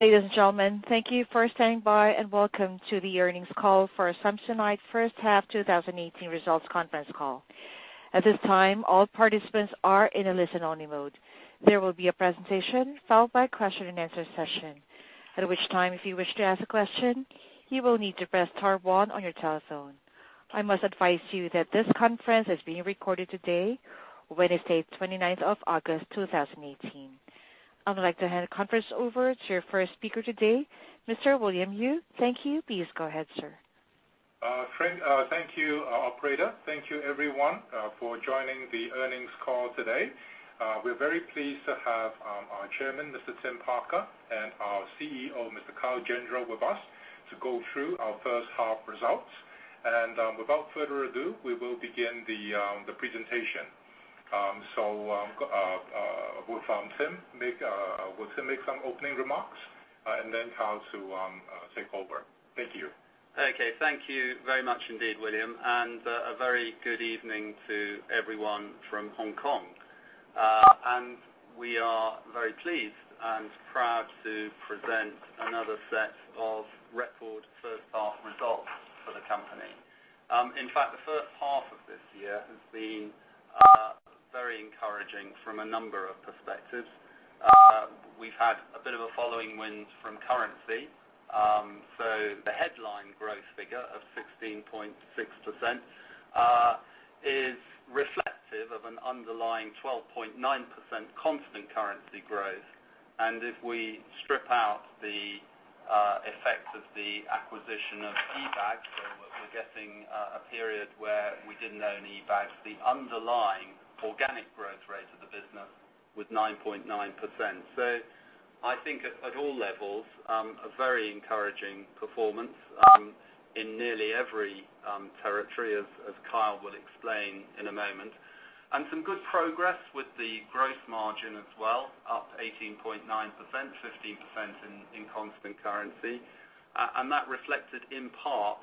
Ladies and gentlemen, thank you for standing by, and welcome to the earnings call for Samsonite first half 2018 results conference call. At this time, all participants are in a listen-only mode. There will be a presentation, followed by a question and answer session. At which time, if you wish to ask a question, you will need to press star one on your telephone. I must advise you that this conference is being recorded today, Wednesday, 29th of August, 2018. I would like to hand the conference over to your first speaker today, Mr. William Yue. Thank you. Please go ahead, sir. Thank you, operator. Thank you everyone for joining the earnings call today. We're very pleased to have our chairman, Mr. Tim Parker, and our CEO, Mr. Kyle Gendreau with us to go through our first half results. Without further ado, we will begin the presentation. Will Tim make some opening remarks, and then Kyle to take over. Thank you. Okay. Thank you very much indeed, William, and a very good evening to everyone from Hong Kong. We are very pleased and proud to present another set of record first half results for the company. In fact, the first half of this year has been very encouraging from a number of perspectives. We've had a bit of a following wind from currency. The headline growth figure of 16.6% is reflective of an underlying 12.9% constant currency growth. If we strip out the effects of the acquisition of eBags, so we're getting a period where we didn't own eBags, the underlying organic growth rate of the business was 9.9%. I think at all levels, a very encouraging performance in nearly every territory, as Kyle will explain in a moment. Some good progress with the growth margin as well, up 18.9%, 15% in constant currency. That reflected in part,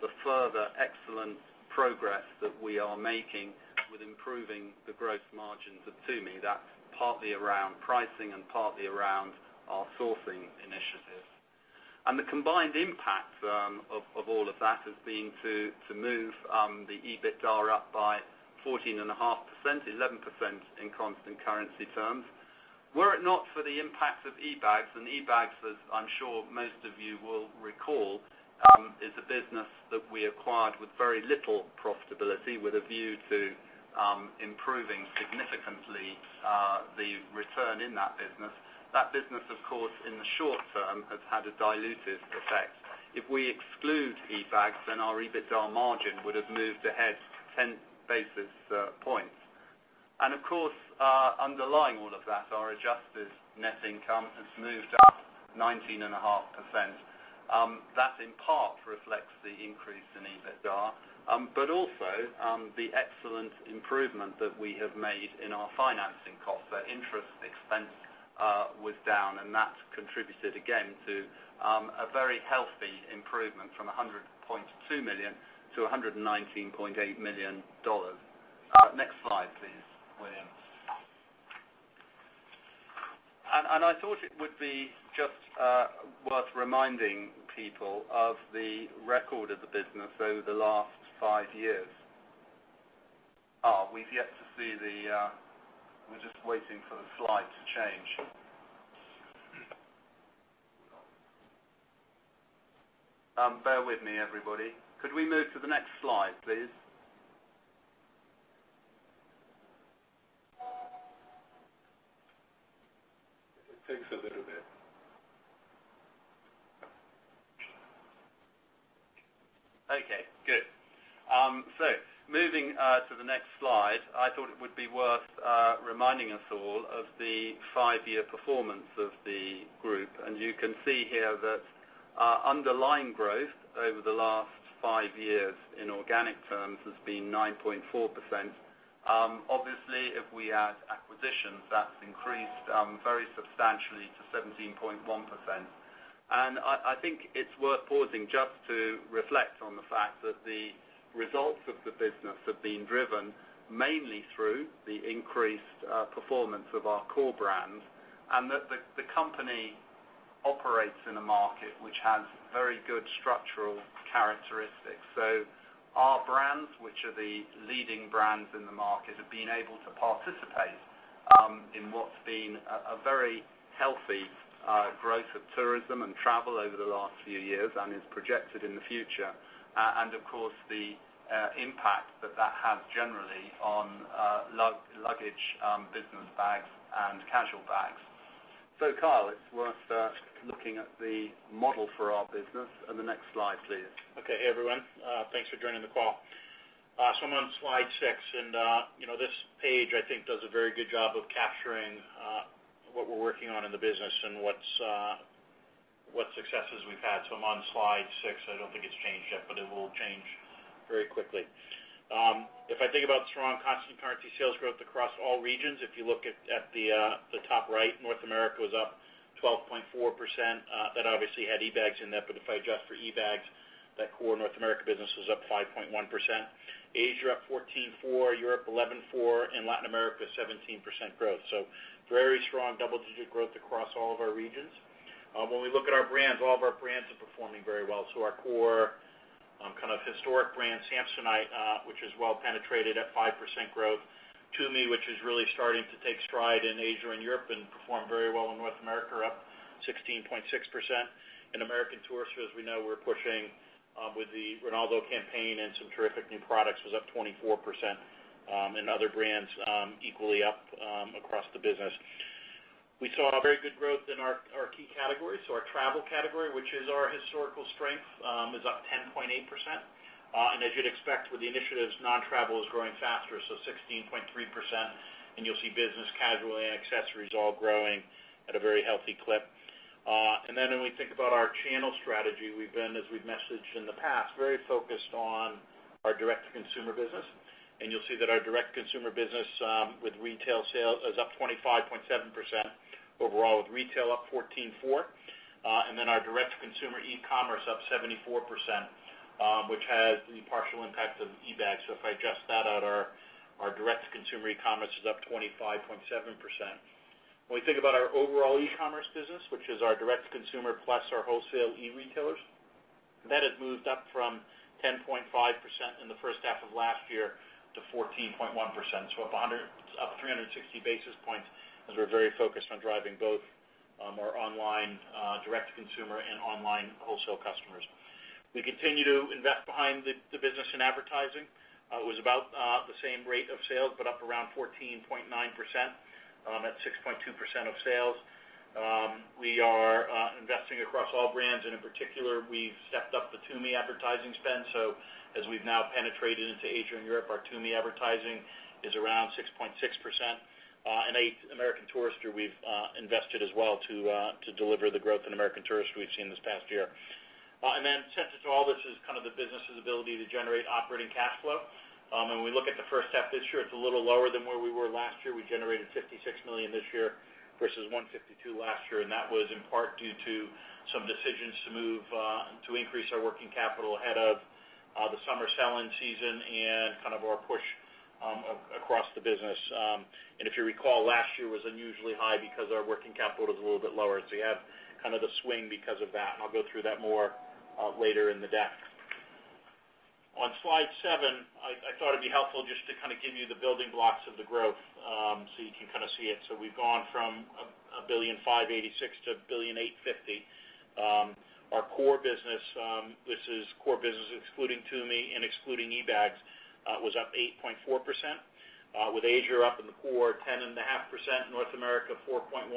the further excellent progress that we are making with improving the growth margins at Tumi. That's partly around pricing and partly around our sourcing initiatives. The combined impact of all of that has been to move the EBITDA up by 14.5%, 11% in constant currency terms. Were it not for the impact of eBags, and eBags, as I'm sure most of you will recall, is a business that we acquired with very little profitability, with a view to improving significantly, the return in that business. That business, of course, in the short term, has had a dilutive effect. If we exclude eBags, then our EBITDA margin would have moved ahead 10 basis points. Of course, underlying all of that, our adjusted net income has moved up 19.5%. That in part reflects the increase in EBITDA. Also, the excellent improvement that we have made in our financing costs. Interest expense was down, and that contributed again to a very healthy improvement from $100.2 million to $119.8 million. Next slide please, William. I thought it would be just worth reminding people of the record of the business over the last five years. We're just waiting for the slide to change. Bear with me, everybody. Could we move to the next slide, please? It takes a little bit. Okay, good. Moving to the next slide, I thought it would be worth reminding us all of the five-year performance of the group. You can see here that our underlying growth over the last five years in organic terms has been 9.4%. Obviously, if we add acquisitions, that's increased very substantially to 17.1%. I think it's worth pausing just to reflect on the fact that the results of the business have been driven mainly through the increased performance of our core brands, and that the company operates in a market which has very good structural characteristics. Our brands, which are the leading brands in the market, have been able to participate in what's been a very healthy growth of tourism and travel over the last few years and is projected in the future. Of course, the impact that that has generally on luggage, business bags and casual bags. Kyle, it's worth looking at the model for our business and the next slide, please. Okay, everyone. Thanks for joining the call. I'm on slide six, this page I think does a very good job of capturing what we're working on in the business and what successes we've had. I'm on slide six. I don't think it's changed yet, but it will change very quickly. If I think about strong constant currency sales growth across all regions, if you look at the top right, North America was up 12.4%. That obviously had eBags in that, but if I adjust for eBags, that core North America business was up 5.1%. Asia up 14.4%, Europe 11.4%, and Latin America 17% growth. Very strong double-digit growth across all of our regions. When we look at our brands, all of our brands are performing very well. Our core kind of historic brand, Samsonite, which is well penetrated at 5% growth. Tumi, which is really starting to take stride in Asia and Europe and performed very well in North America, up 16.6%. American Tourister, as we know, we're pushing with the Ronaldo campaign and some terrific new products, was up 24%, and other brands equally up across the business. We saw very good growth in our key categories. Our travel category, which is our historical strength, is up 10.8%. As you'd expect with the initiatives, non-travel is growing faster, so 16.3%. You'll see business casual and accessories all growing at a very healthy clip. When we think about our channel strategy, we've been, as we've messaged in the past, very focused on our direct-to-consumer business. You'll see that our direct-to-consumer business with retail sales is up 25.7% overall, with retail up 14.4%. Our direct-to-consumer e-commerce up 74%, which has the partial impact of eBags. If I adjust that out, our direct-to-consumer e-commerce is up 25.7%. We think about our overall e-commerce business, which is our direct-to-consumer plus our wholesale e-retailers, that had moved up from 10.5% in the first half of last year to 14.1%. Up 360 basis points, as we're very focused on driving both our online direct-to-consumer and online wholesale customers. We continue to invest behind the business in advertising. It was about the same rate of sales, but up around 14.9% at 6.2% of sales. We are investing across all brands, and in particular, we've stepped up the Tumi advertising spend. As we've now penetrated into Asia and Europe, our Tumi advertising is around 6.6%. American Tourister, we've invested as well to deliver the growth in American Tourister we've seen this past year. Central to all this is the business's ability to generate operating cash flow. We look at the first half this year, it's a little lower than where we were last year. We generated $56 million this year versus $152 million last year, and that was in part due to some decisions to increase our working capital ahead of the summer selling season and our push across the business. If you recall, last year was unusually high because our working capital was a little bit lower. You have the swing because of that, and I'll go through that more later in the deck. On slide seven, I thought it'd be helpful just to give you the building blocks of the growth so you can see it. We've gone from $1.586 billion to $1.850 billion. Our core business, this is core business excluding Tumi and excluding eBags, was up 8.4%, with Asia up in the core 10.5%, North America 4.1%,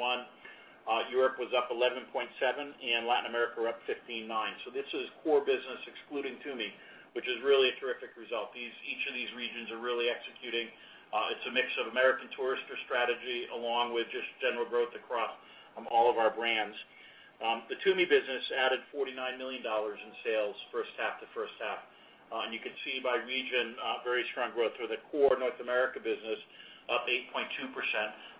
Europe was up 11.7%, and Latin America up 15.9%. This is core business excluding Tumi, which is really a terrific result. Each of these regions are really executing. It's a mix of American Tourister strategy along with just general growth across all of our brands. The Tumi business added $49 million in sales first half to first half. You can see by region, very strong growth with the core North America business up 8.2%.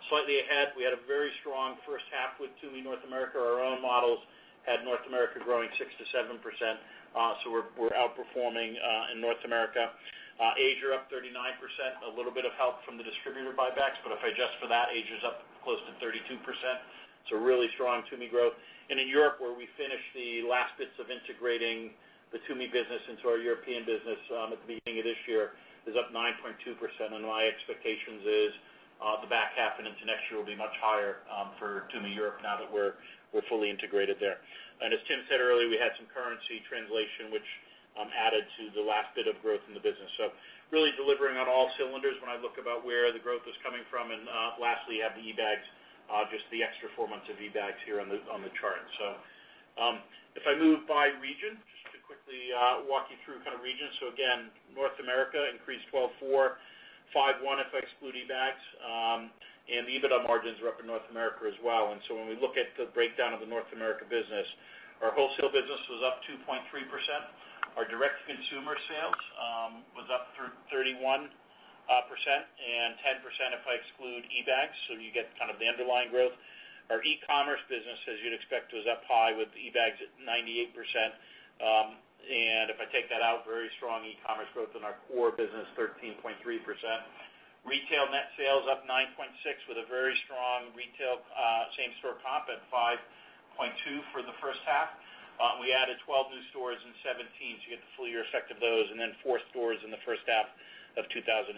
Slightly ahead, we had a very strong first half with Tumi North America. Our own models had North America growing 6%-7%, so we're outperforming in North America. Asia up 39%, a little bit of help from the distributor buybacks, but if I adjust for that, Asia's up close to 32%, really strong Tumi growth. In Europe, where we finished the last bits of integrating the Tumi business into our European business at the beginning of this year, is up 9.2%, and my expectations is the back half and into next year will be much higher for Tumi Europe now that we're fully integrated there. As Tim said earlier, we had some currency translation, which added to the last bit of growth in the business. Really delivering on all cylinders when I look about where the growth was coming from. Lastly, you have the eBags, just the extra four months of eBags here on the chart. If I move by region, just to quickly walk you through regions. Again, North America increased 12.4%, 5.1% if I exclude eBags, and the EBITDA margins are up in North America as well. When we look at the breakdown of the North America business, our wholesale business was up 2.3%. Our direct-to-consumer sales was up 31% and 10% if I exclude eBags, you get the underlying growth. Our e-commerce business, as you'd expect, was up high with eBags at 98%. If I take that out, very strong e-commerce growth in our core business, 13.3%. Retail net sales up 9.6% with a very strong retail same-store comp at 5.2% for the first half. We added 12 new stores in 2017, so you get the full year effect of those, and then four stores in the first half of 2018.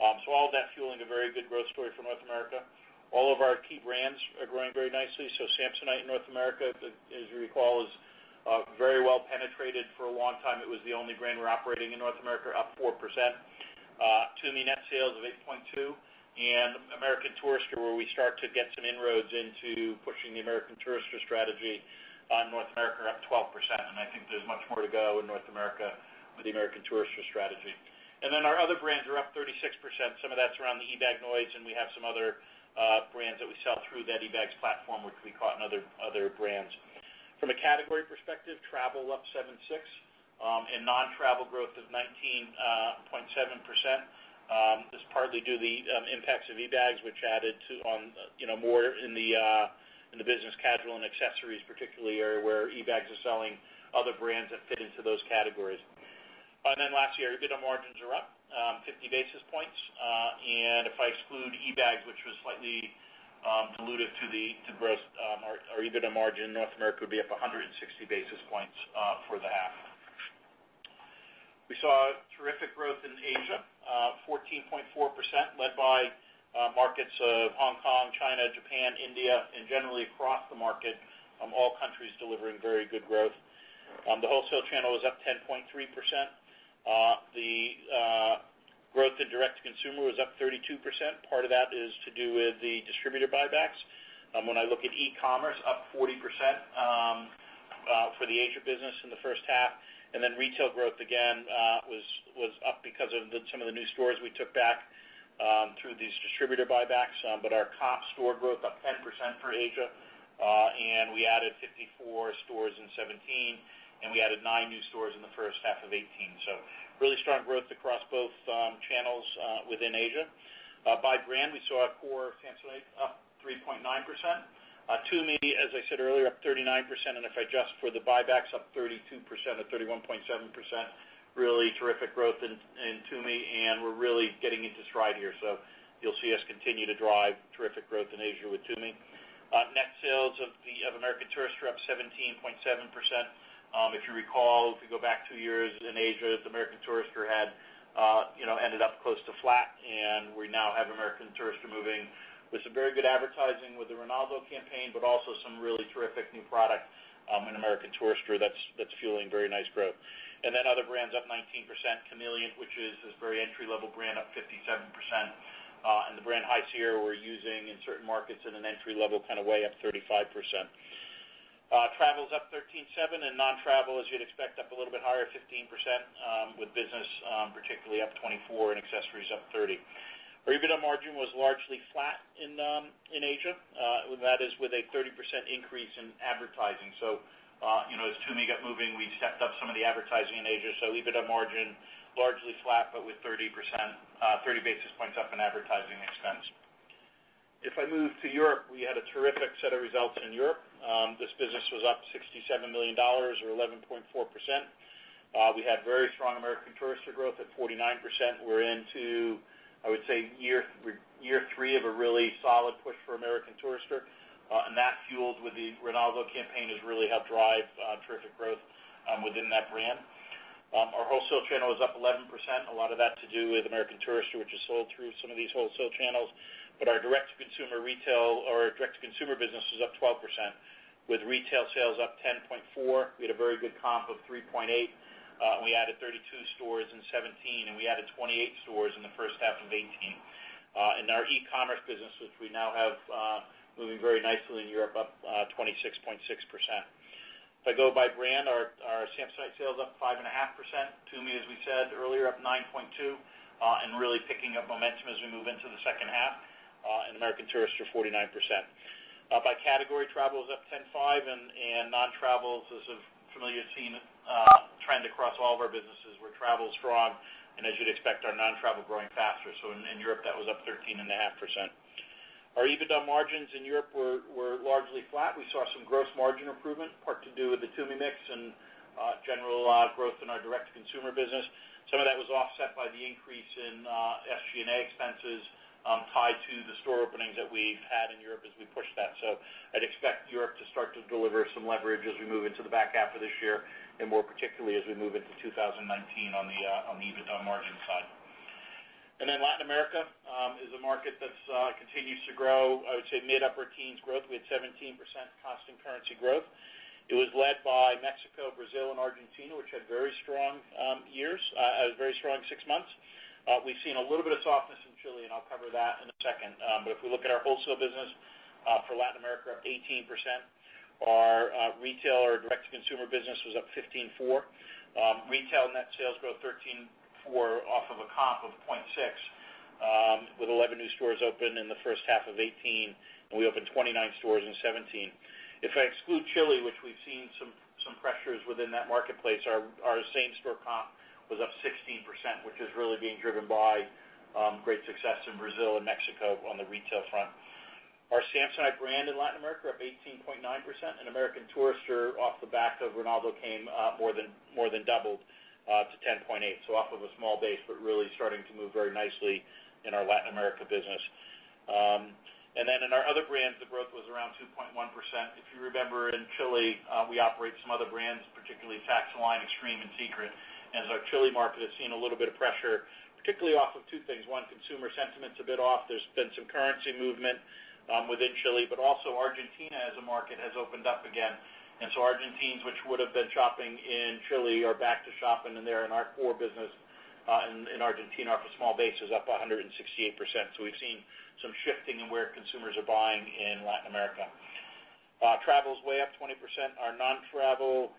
All of that fueling a very good growth story for North America. All of our key brands are growing very nicely. Samsonite in North America, as you recall, is very well penetrated. For a long time, it was the only brand we were operating in North America, up 4%. Tumi net sales of 8.2%. American Tourister, where we start to get some inroads into pushing the American Tourister strategy on North America, are up 12%, and I think there's much more to go in North America with the American Tourister strategy. Our other brands are up 36%. Some of that's around the eBags noise, and we have some other brands that we sell through that eBags platform, which we caught in other brands. From a category perspective, travel up 7.6%. Non-travel growth of 19.7% is partly due to the impacts of eBags, which added more in the business casual and accessories, particularly area where eBags are selling other brands that fit into those categories. Last year, EBITDA margins are up 50 basis points. If I exclude eBags, which was slightly dilutive to gross or EBITDA margin, North America would be up 160 basis points for the half. We saw terrific growth in Asia, 14.4%, led by markets of Hong Kong, China, Japan, India, and generally across the market, all countries delivering very good growth. The wholesale channel was up 10.3%. The growth in direct-to-consumer was up 32%. Part of that is to do with the distributor buybacks. When I look at e-commerce, up 40% for the Asia business in the first half. Retail growth again was up because of some of the new stores we took back through these distributor buybacks. Our comp store growth up 10% for Asia. We added 54 stores in 2017, and we added nine new stores in the first half of 2018. Really strong growth across both channels within Asia. By brand, we saw our core Samsonite up 3.9%. Tumi, as I said earlier, up 39%, and if I adjust for the buybacks, up 32% or 31.7%. Really terrific growth in Tumi, and we're really getting into stride here. You'll see us continue to drive terrific growth in Asia with Tumi. Net sales of American Tourister up 17.7%. If you recall, if we go back two years in Asia, American Tourister had ended up close to flat. We now have American Tourister moving with some very good advertising with the Ronaldo campaign, also some really terrific new product in American Tourister that's fueling very nice growth. Other brands up 19%. Kamiliant, which is this very entry-level brand, up 57%. The brand High Sierra we're using in certain markets in an entry level kind of way up 35%. Travel's up 13.7% and non-travel, as you'd expect, up a little bit higher, 15%, with business particularly up 24% and accessories up 30%. Our EBITDA margin was largely flat in Asia. That is with a 30% increase in advertising. As Tumi got moving, we stepped up some of the advertising in Asia. EBITDA margin largely flat, with 30 basis points up in advertising expense. If I move to Europe, we had a terrific set of results in Europe. This business was up $67 million or 11.4%. We had very strong American Tourister growth at 49%. We're into, I would say, year three of a really solid push for American Tourister. That fueled with the Ronaldo campaign has really helped drive terrific growth within that brand. Our wholesale channel is up 11%, a lot of that to do with American Tourister, which is sold through some of these wholesale channels. Our direct-to-consumer business was up 12%, with retail sales up 10.4%. We had a very good comp of 3.8%. We added 32 stores in 2017, and we added 28 stores in the first half of 2018. Our e-commerce business, which we now have moving very nicely in Europe, up 26.6%. If I go by brand, our Samsonite sales up 5.5%. Tumi, as we said earlier, up 9.2%, and really picking up momentum as we move into the second half. American Tourister, 49%. By category, travel is up 10.5% and non-travel is a familiar trend across all of our businesses, where travel's strong, and as you'd expect, our non-travel growing faster. In Europe, that was up 13.5%. Our EBITDA margins in Europe were largely flat. We saw some gross margin improvement, part to do with the Tumi mix and general growth in our direct-to-consumer business. Some of that was offset by the increase in SG&A expenses tied to the store openings that we've had in Europe as we pushed that. I'd expect Europe to start to deliver some leverage as we move into the back half of this year, and more particularly as we move into 2019 on the EBITDA margin side. Latin America is a market that continues to grow. I would say mid to upper teens growth. We had 17% constant currency growth. It was led by Mexico, Brazil, and Argentina, which had very strong six months. We've seen a little bit of softness in Chile, and I'll cover that in a second. But if we look at our wholesale business for Latin America, up 18%. Our retail or direct-to-consumer business was up 15.4%. Retail net sales growth 13.4% off of a comp of 0.6%, with 11 new stores opened in the first half of 2018, and we opened 29 stores in 2017. If I exclude Chile, which we've seen some pressures within that marketplace, our same-store comp was up 16%, which is really being driven by great success in Brazil and Mexico on the retail front. Our Samsonite brand in Latin America up 18.9%, and American Tourister off the back of Ronaldo came more than doubled to 10.8%. So off of a small base, but really starting to move very nicely in our Latin America business. In our other brands, the growth was around 2.1%. If you remember in Chile, we operate some other brands, particularly Saxoline, Xtrem, and Secrid. Our Chile market has seen a little bit of pressure, particularly off of two things. One, consumer sentiment's a bit off. There's been some currency movement within Chile, but also Argentina as a market has opened up again. Argentines which would've been shopping in Chile are back to shopping, and they're in our core business in Argentina off a small base is up 168%. So we've seen some shifting in where consumers are buying in Latin America. Travel is way up 20%. Our non-travel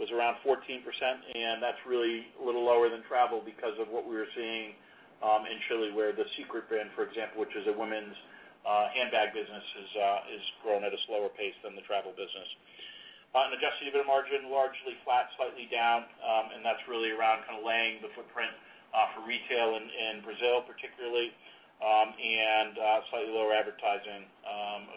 was around 14%, and that's really a little lower than travel because of what we were seeing in Chile where the Secrid brand, for example, which is a women's handbag business, is growing at a slower pace than the travel business. Adjusted EBITDA margin largely flat, slightly down. That's really around kind of laying the footprint for retail in Brazil particularly, and slightly lower advertising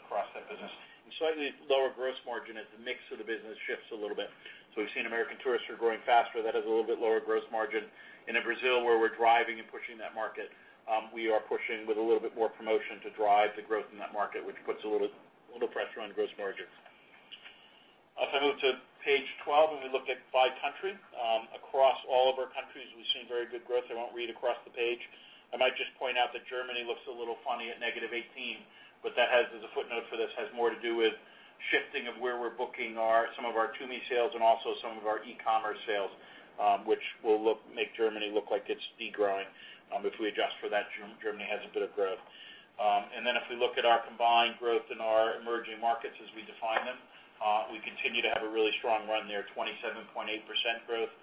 across that business. And slightly lower gross margin as the mix of the business shifts a little bit. So we've seen American Tourister growing faster, that has a little bit lower gross margin. In Brazil, where we're driving and pushing that market, we are pushing with a little bit more promotion to drive the growth in that market, which puts a little pressure on gross margins. We look at by country. Across all of our countries, we've seen very good growth. I won't read across the page. I might just point out that Germany looks a little funny at -18%, but there's a footnote for this, has more to do with shifting of where we're booking some of our Tumi sales and also some of our e-commerce sales, which will make Germany look like it's degrowing. If we adjust for that, Germany has a bit of growth. If we look at our combined growth in our emerging markets as we define them, we continue to have a really strong run there, 27.8% growth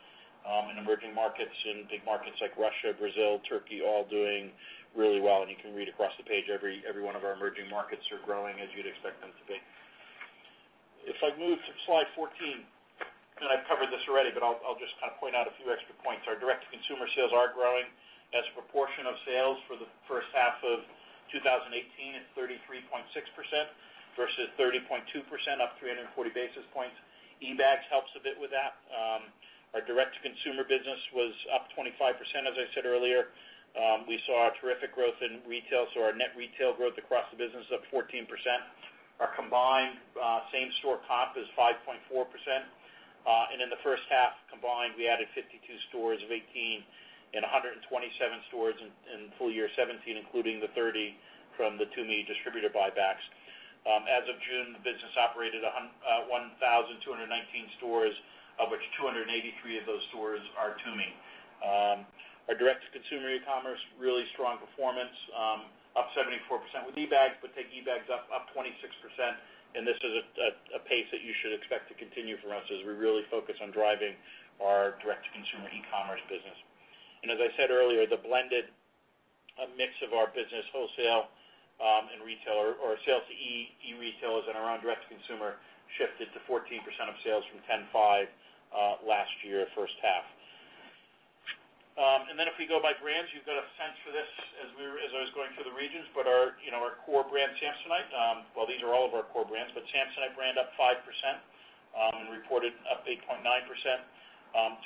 in emerging markets in big markets like Russia, Brazil, Turkey, all doing really well. You can read across the page, every one of our emerging markets are growing as you'd expect them to be. If I move to slide 14, I've covered this already, but I'll just kind of point out a few extra points. Our direct-to-consumer sales are growing as a proportion of sales for the first half of 2018 at 33.6% versus 30.2%, up 340 basis points. eBags helps a bit with that. Our direct-to-consumer business was up 25%, as I said earlier. We saw a terrific growth in retail, so our net retail growth across the business up 14%. Our combined same-store comp is 5.4%. In the first half combined, we added 52 stores of 2018 and 127 stores in full year 2017, including the 30 from the Tumi distributor buybacks. As of June, the business operated 1,219 stores, of which 283 of those stores are Tumi. Our direct-to-consumer e-commerce, really strong performance, up 74% with eBags, but take eBags up 26%. This is a pace that you should expect to continue from us as we really focus on driving our direct-to-consumer e-commerce business. As I said earlier, the blended mix of our business, wholesale and retail or sales to e-retailers and around direct-to-consumer shifted to 14% of sales from 10.5% last year, first half. If we go by brands, you've got a sense for this as I was going through the regions, but our core brand, Samsonite. These are all of our core brands, but Samsonite brand up 5%, and reported up 8.9%.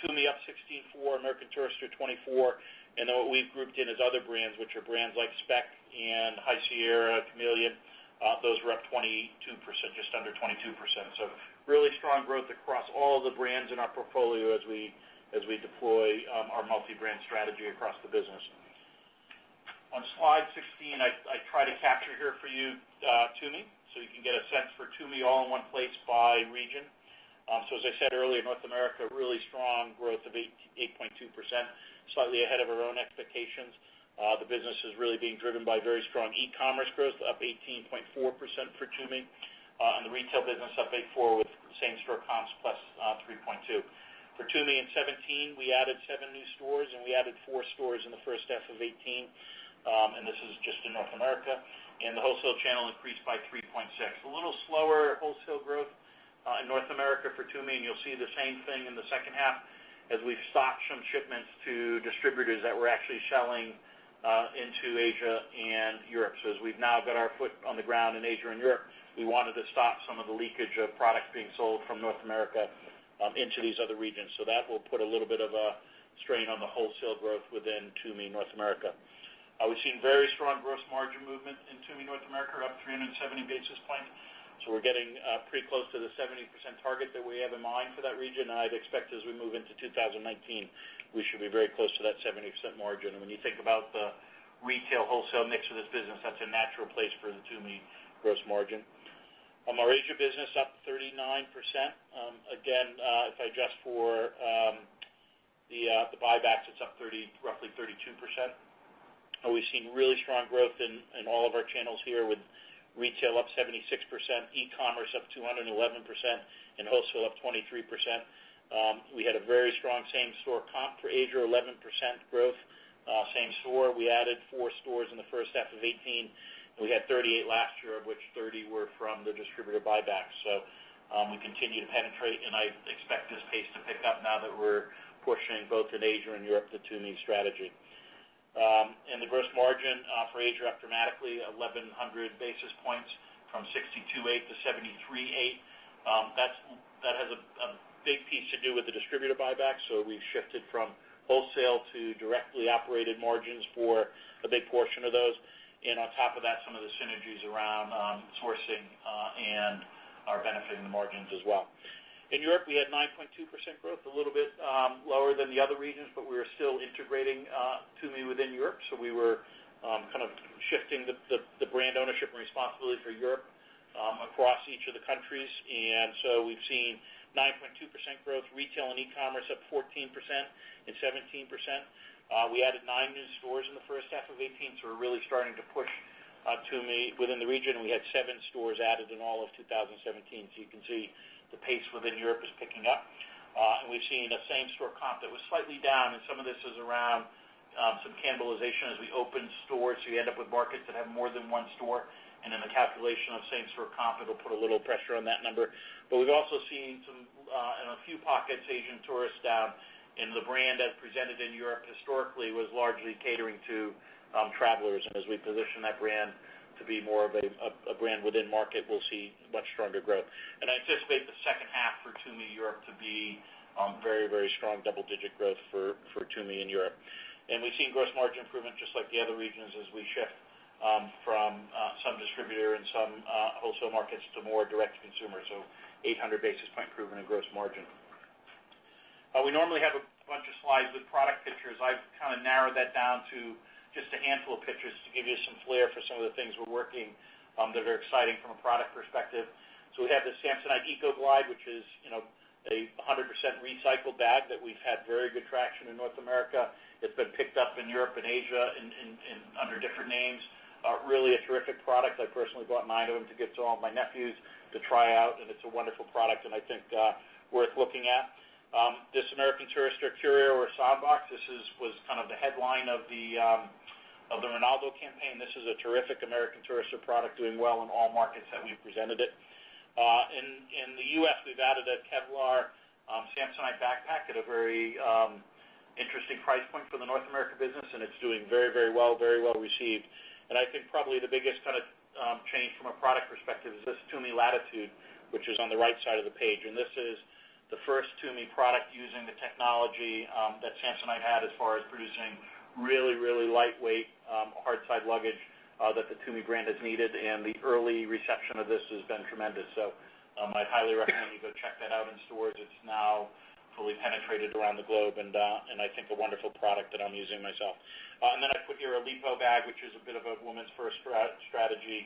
Tumi up 16.4%, American Tourister 24%. What we've grouped in as other brands, which are brands like Speck and High Sierra, Kamiliant, those were up 22%, just under 22%. Really strong growth across all the brands in our portfolio as we deploy our multi-brand strategy across the business. On slide 16, I tried to capture here for you Tumi, so you can get a sense for Tumi all in one place by region. As I said earlier, North America, really strong growth of 8.2%, slightly ahead of our own expectations. The business is really being driven by very strong e-commerce growth, up 18.4% for Tumi, and the retail business up 8.4% with same store comps +3.2%. For Tumi in 2017, we added 7 new stores. We added 4 stores in the first half of 2018. This is just in North America. The wholesale channel increased by 3.6%. A little slower wholesale growth in North America for Tumi. You'll see the same thing in the second half as we've stopped some shipments to distributors that we're actually selling into Asia and Europe. As we've now got our foot on the ground in Asia and Europe, we wanted to stop some of the leakage of products being sold from North America into these other regions. That will put a little bit of a strain on the wholesale growth within Tumi North America. We've seen very strong gross margin movement in Tumi North America, up 370 basis points. We're getting pretty close to the 70% target that we have in mind for that region. I'd expect as we move into 2019, we should be very close to that 70% margin. When you think about the retail wholesale mix of this business, that's a natural place for the Tumi gross margin. Our Asia business up 39%. Again, if I adjust for the buybacks, it's up roughly 32%. We've seen really strong growth in all of our channels here with retail up 76%, e-commerce up 211%, and wholesale up 23%. We had a very strong same-store comp for Asia, 11% growth. Same store, we added 4 stores in the first half of 2018. We had 38 last year, of which 30 were from the distributor buyback. We continue to penetrate. I expect this pace to pick up now that we're pushing both in Asia and Europe the Tumi strategy. The gross margin for Asia up dramatically, 1,100 basis points from 62.8% to 73.8%. That has a big piece to do with the distributor buyback. We've shifted from wholesale to directly operated margins for a big portion of those. On top of that, some of the synergies around sourcing are benefiting the margins as well. In Europe, we had 9.2% growth, a little bit lower than the other regions, but we are still integrating Tumi within Europe. We were kind of shifting the brand ownership and responsibility for Europe across each of the countries. We've seen 9.2% growth, retail and e-commerce up 14% and 17%. We added 9 new stores in the first half of 2018, so we're really starting to push Tumi within the region. We had 7 stores added in all of 2017. You can see the pace within Europe is picking up. We've seen a same-store comp that was slightly down. Some of this is around some cannibalization as we open stores. You end up with markets that have more than one store. Then the calculation of same-store comp, it'll put a little pressure on that number. We've also seen some, in a few pockets, Asian tourists down. The brand as presented in Europe historically was largely catering to travelers. As we position that brand to be more of a brand within market, we'll see much stronger growth. I anticipate the second half for Tumi in Europe to be very strong, double-digit growth for Tumi in Europe. We've seen gross margin improvement, just like the other regions, as we shift from some distributor and some wholesale markets to more direct-to-consumer. 800 basis point improvement in gross margin. We normally have a bunch of slides with product pictures. I've kind of narrowed that down to just a handful of pictures to give you some flair for some of the things we're working on that are exciting from a product perspective. We have the Samsonite Eco-Glide, which is a 100% recycled bag that we've had very good traction in North America. It's been picked up in Europe and Asia under different names. Really a terrific product. I personally bought nine of them to give to all my nephews to try out, and it's a wonderful product, and I think worth looking at. This American Tourister Curio or Soundbox, this was the headline of the Ronaldo campaign. This is a terrific American Tourister product doing well in all markets that we've presented it. In the U.S., we've added a Kevlar Samsonite backpack at a very interesting price point for the North America business, and it's doing very well, very well received. I think probably the biggest kind of change from a product perspective is this Tumi Latitude, which is on the right side of the page. This is the first Tumi product using the technology that Samsonite had as far as producing really lightweight, hard-side luggage that the Tumi brand has needed, and the early reception of this has been tremendous. I'd highly recommend you go check that out in stores. It's now fully penetrated around the globe and I think a wonderful product that I'm using myself. I put here a Lipault bag, which is a bit of a woman's first strategy.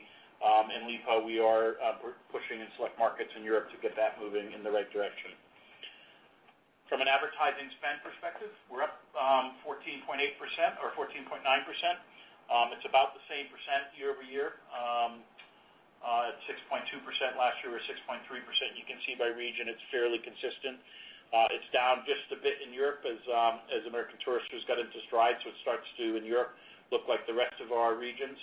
In Lipault, we are pushing in select markets in Europe to get that moving in the right direction. From an advertising spend perspective, we're up 14.8% or 14.9%. It's about the same % year-over-year. At 6.2% last year or 6.3%, you can see by region it's fairly consistent. It's down just a bit in Europe as American Tourister has got into stride, so it starts to, in Europe, look like the rest of our regions.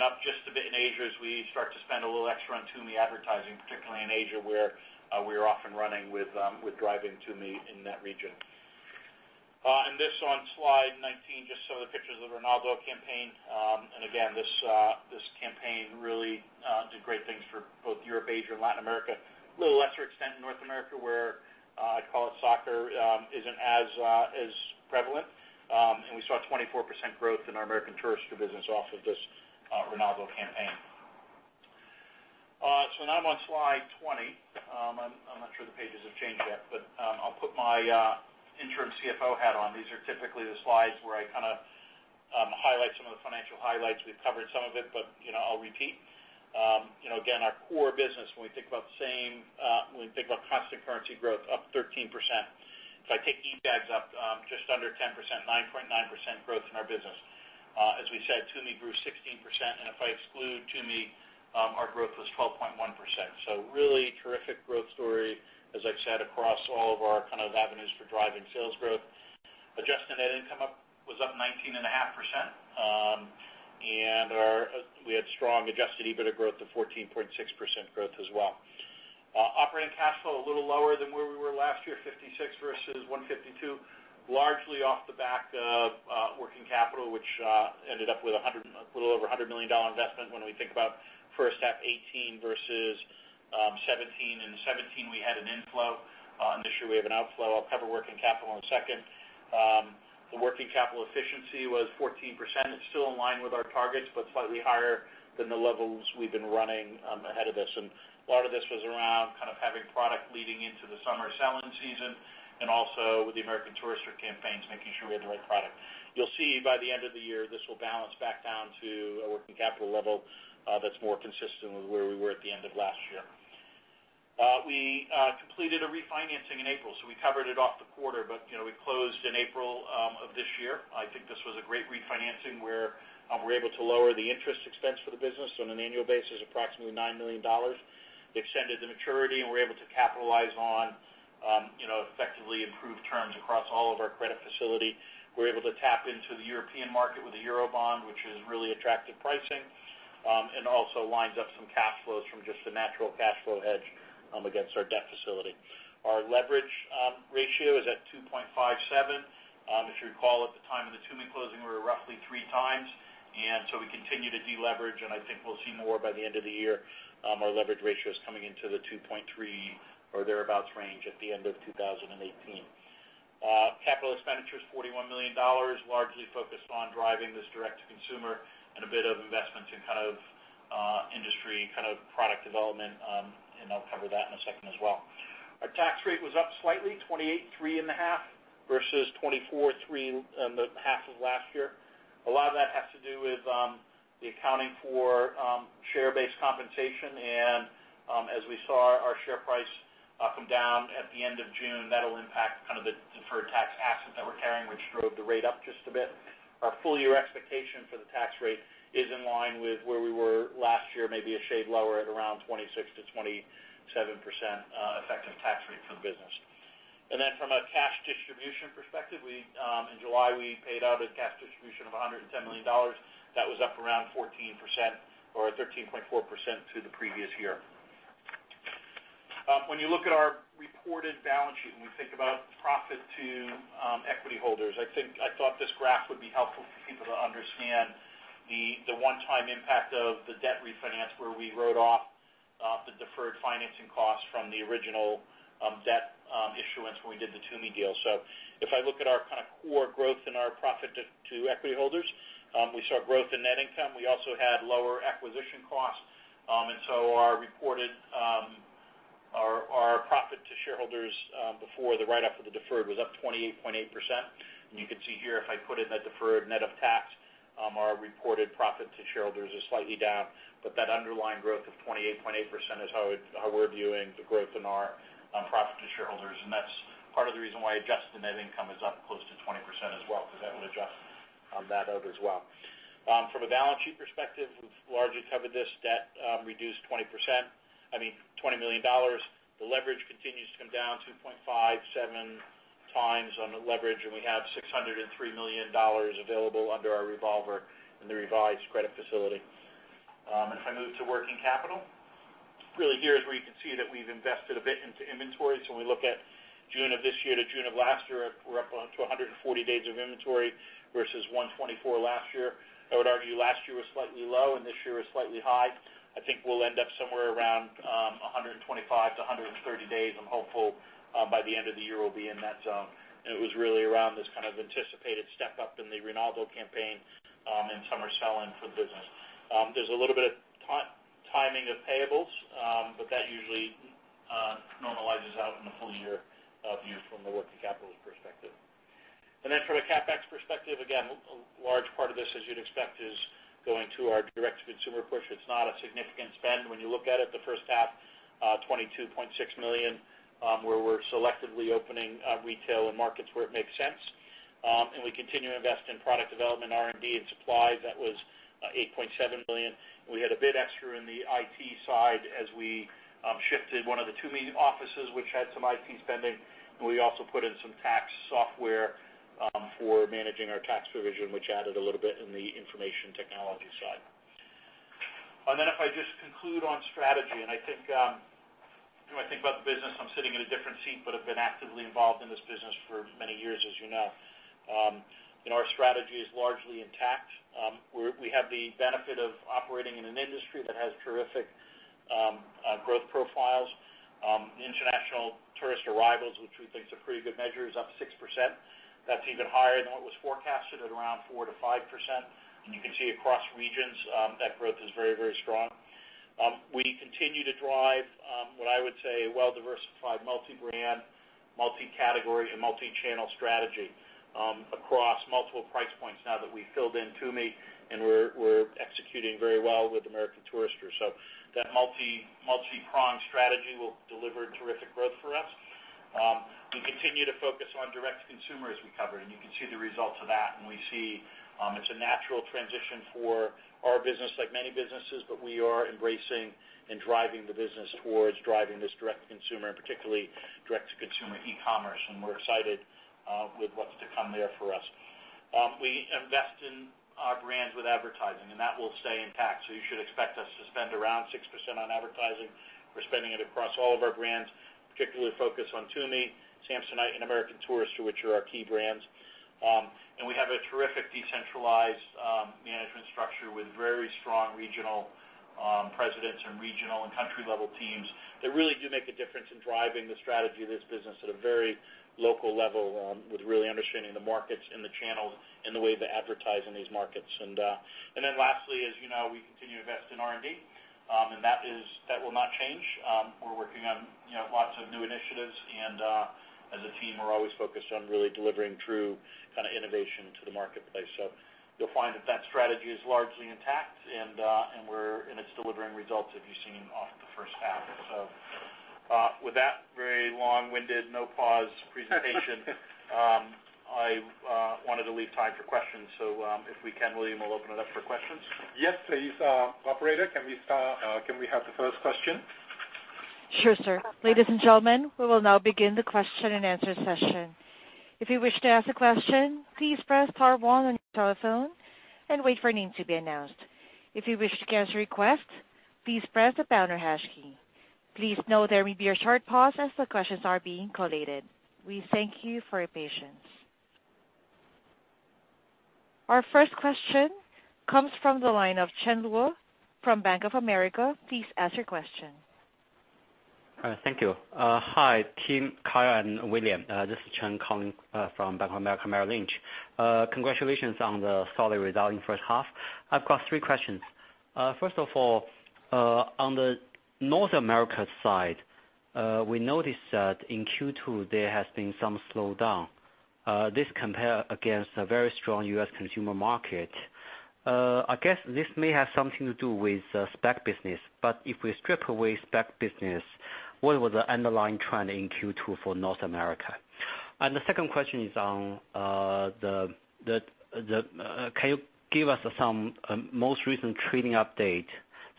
Up just a bit in Asia as we start to spend a little extra on Tumi advertising, particularly in Asia, where we are off and running with driving Tumi in that region. This on slide 19, just some of the pictures of the Ronaldo campaign. Again, this campaign really did great things for both Europe, Asia, and Latin America. A little lesser extent in North America, where I'd call it soccer isn't as prevalent. We saw 24% growth in our American Tourister business off of this Ronaldo campaign. Now I'm on slide 20. I'm not sure the pages have changed yet, but I'll put my interim CFO hat on. These are typically the slides where I highlight some of the financial highlights. We've covered some of it, but I'll repeat. Our core business, when we think about constant currency growth, up 13%. If I take eBags up just under 10%, 9.9% growth in our business. As we said, Tumi grew 16%, and if I exclude Tumi, our growth was 12.1%. Really terrific growth story, as I've said, across all of our avenues for driving sales growth. Adjusted net income was up 19.5%. We had strong adjusted EBITDA growth of 14.6% growth as well. Operating cash flow, a little lower than where we were last year, $56 million versus $152 million, largely off the back of working capital, which ended up with a little over $100 million investment when we think about first half 2018 versus 2017. In 2017, we had an inflow. This year we have an outflow. I'll cover working capital in a second. The working capital efficiency was 14%. It's still in line with our targets, but slightly higher than the levels we've been running ahead of this. A lot of this was around having product leading into the summer selling season and also with the American Tourister campaigns, making sure we had the right product. You'll see by the end of the year, this will balance back down to a working capital level that's more consistent with where we were at the end of last year. We completed a refinancing in April, so we covered it off the quarter, but we closed in April of this year. I think this was a great refinancing where we're able to lower the interest expense for the business on an annual basis, approximately $9 million. Extended the maturity, we're able to capitalize on effectively improved terms across all of our credit facility. We're able to tap into the European market with a Euro bond, which is really attractive pricing, and also lines up some cash flows from just the natural cash flow hedge against our debt facility. Our leverage ratio is at 2.57. If you recall, at the time of the Tumi closing, we were roughly three times. We continue to deleverage, and I think we'll see more by the end of the year. Our leverage ratio is coming into the 2.3 or thereabouts range at the end of 2018. Capital expenditure is $41 million, largely focused on driving this direct to consumer and a bit of investment in industry product development, and I'll cover that in a second as well. Our tax rate was up slightly, 28.35% versus 24.3% in the half of last year. A lot of that has to do with the accounting for share-based compensation and as we saw our share price come down at the end of June, that'll impact the deferred tax carrying, which drove the rate up just a bit. Our full-year expectation for the tax rate is in line with where we were last year, maybe a shade lower at around 26%-27% effective tax rate for the business. From a cash distribution perspective, in July, we paid out a cash distribution of $110 million. That was up around 14% or 13.4% to the previous year. When you look at our reported balance sheet and we think about profit to equity holders, I thought this graph would be helpful for people to understand the one-time impact of the debt refinance, where we wrote off the deferred financing cost from the original debt issuance when we did the Tumi deal. If I look at our core growth and our profit to equity holders, we saw growth in net income. We also had lower acquisition costs, our profit to shareholders before the write-off of the deferred was up 28.8%. You can see here, if I put in that deferred net of tax, our reported profit to shareholders is slightly down. That underlying growth of 28.8% is how we're viewing the growth in our profit to shareholders, that's part of the reason why adjusted net income is up close to 20% as well, because that will adjust that out as well. From a balance sheet perspective, we've largely covered this debt, reduced $20 million. The leverage continues to come down 2.57 times on the leverage, we have $603 million available under our revolver in the revised credit facility. If I move to working capital, really here is where you can see that we've invested a bit into inventory. When we look at June of this year to June of last year, we're up to 140 days of inventory versus 124 last year. I would argue last year was slightly low, and this year was slightly high. I think we'll end up somewhere around 125 to 130 days. I'm hopeful by the end of the year we'll be in that zone. It was really around this kind of anticipated step-up in the Ronaldo campaign and summer selling for the business. There's a little bit of timing of payables, that usually normalizes out in the full year view from the working capital perspective. From a CapEx perspective, again, a large part of this, as you'd expect, is going to our direct-to-consumer push. It's not a significant spend when you look at it. The first half, $22.6 million, where we're selectively opening retail and markets where it makes sense. We continue to invest in product development, R&D, and supply. That was $8.7 million. We had a bit extra in the IT side as we shifted one of the Tumi offices, which had some IT spending, and we also put in some tax software for managing our tax provision, which added a little bit in the information technology side. If I just conclude on strategy, when I think about the business, I'm sitting in a different seat, I've been actively involved in this business for many years, as you know. Our strategy is largely intact. We have the benefit of operating in an industry that has terrific growth profiles. International tourist arrivals, which we think is a pretty good measure, is up 6%. That's even higher than what was forecasted at around 4% to 5%. You can see across regions, that growth is very strong. We continue to drive what I would say a well-diversified multi-brand, multi-category, and multi-channel strategy across multiple price points now that we filled in Tumi and we're executing very well with American Tourister. That multi-pronged strategy will deliver terrific growth for us. We continue to focus on direct-to-consumer as we covered, and you can see the results of that. We see it's a natural transition for our business like many businesses, but we are embracing and driving the business towards driving this direct-to-consumer, and particularly direct-to-consumer e-commerce, and we're excited with what's to come there for us. We invest in our brands with advertising, and that will stay intact. You should expect us to spend around 6% on advertising. We're spending it across all of our brands, particularly focused on Tumi, Samsonite, and American Tourister, which are our key brands. We have a terrific decentralized management structure with very strong regional presidents and regional and country-level teams that really do make a difference in driving the strategy of this business at a very local level with really understanding the markets and the channels and the way they advertise in these markets. Lastly, as you know, we continue to invest in R&D, and that will not change. We're working on lots of new initiatives, and as a team, we're always focused on really delivering true innovation to the marketplace. You'll find that strategy is largely intact, and it's delivering results as you've seen off the first half. With that very long-winded, no-pause presentation, I wanted to leave time for questions. If we can, William, we'll open it up for questions. Yes, please. Operator, can we have the first question? Sure, sir. Ladies and gentlemen, we will now begin the question and answer session. If you wish to ask a question, please press star one on your telephone and wait for your name to be announced. If you wish to cancel your request, please press the pound or hash key. Please note there may be a short pause as the questions are being collated. We thank you for your patience. Our first question comes from the line of Chen Luo from Bank of America. Please ask your question. Thank you. Hi, Tim, Kyle and William. This is Chen calling from Bank of America, Merrill Lynch. Congratulations on the solid result in first half. I've got three questions. On the North America side, we noticed that in Q2, there has been some slowdown. This compare against a very strong U.S. consumer market. I guess this may have something to do with Speck business, if we strip away Speck business, what was the underlying trend in Q2 for North America? The second question is, can you give us some most recent trading update,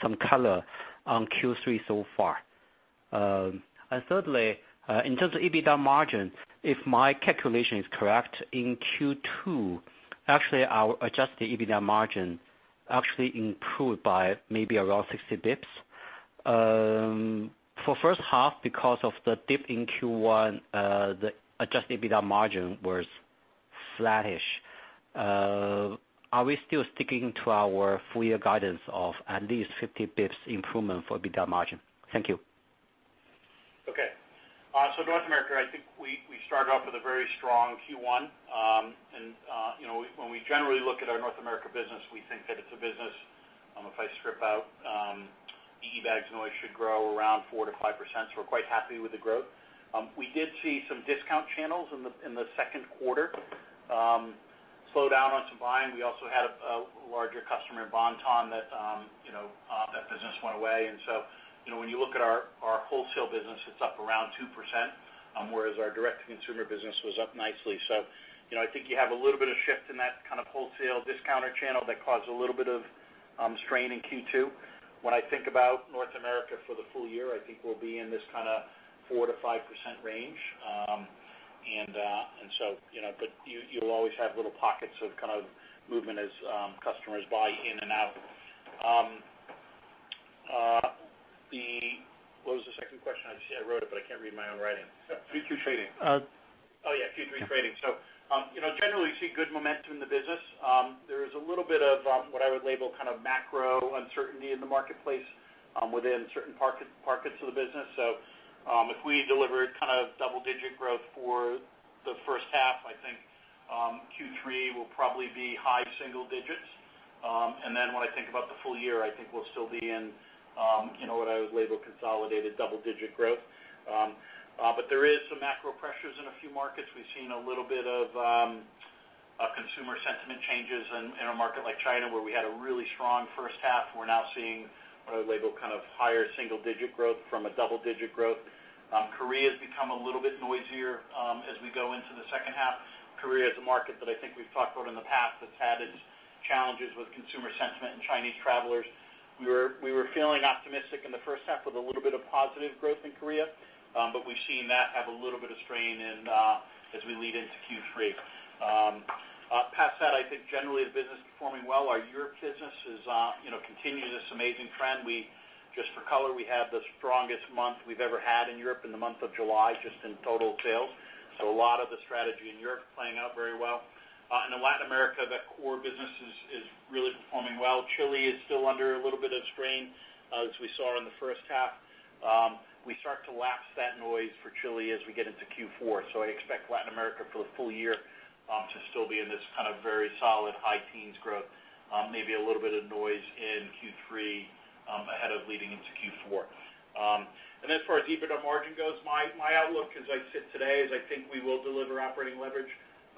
some color on Q3 so far? Thirdly, in terms of EBITDA margin, if my calculation is correct, in Q2, actually our adjusted EBITDA margin actually improved by maybe around 60 basis points. For the first half, because of the dip in Q1, the adjusted EBITDA margin was flattish. Are we still sticking to our full year guidance of at least 50 basis points improvement for EBITDA margin? Thank you. Okay. North America, I think we started off with a very strong Q1. When we generally look at our North America business, we think that it's a business, if I strip out the eBags noise, should grow around 4%-5%. We're quite happy with the growth. We did see some discount channels in the second quarter slow down on some buying. We also had a larger customer, Bon-Ton, that business went away. When you look at our wholesale business, it's up around 2%, whereas our direct-to-consumer business was up nicely. I think you have a little bit of shift in that kind of wholesale discounter channel that caused a little bit of strain in Q2. When I think about North America for the full year, I think we'll be in this kind of 4%-5% range. You'll always have little pockets of kind of movement as customers buy in and out. What was the second question? I see I wrote it, I can't read my own writing. Q3 trading. Generally you see good momentum in the business. There is a little bit of what I would label macro uncertainty in the marketplace within certain pockets of the business. If we delivered double-digit growth for the first half, I think Q3 will probably be high single-digits. When I think about the full year, I think we'll still be in what I would label consolidated double-digit growth. There is some macro pressures in a few markets. We've seen a little bit of consumer sentiment changes in a market like China, where we had a really strong first half. We're now seeing what I would label kind of higher single-digit growth from a double-digit growth. Korea's become a little bit noisier as we go into the second half. Korea is a market that I think we've talked about in the past, that's had its challenges with consumer sentiment and Chinese travelers. We were feeling optimistic in the first half with a little bit of positive growth in Korea. We've seen that have a little bit of strain as we lead into Q3. Past that, I think generally the business is performing well. Our Europe business continues this amazing trend. Just for color, we had the strongest month we've ever had in Europe in the month of July, just in total sales. A lot of the strategy in Europe is playing out very well. In Latin America, that core business is really performing well. Chile is still under a little bit of strain as we saw in the first half. We start to lapse that noise for Chile as we get into Q4. I expect Latin America for the full year to still be in this kind of very solid high teens growth. Maybe a little bit of noise in Q3 ahead of leading into Q4. As far as EBITDA margin goes, my outlook as I sit today is I think we will deliver operating leverage.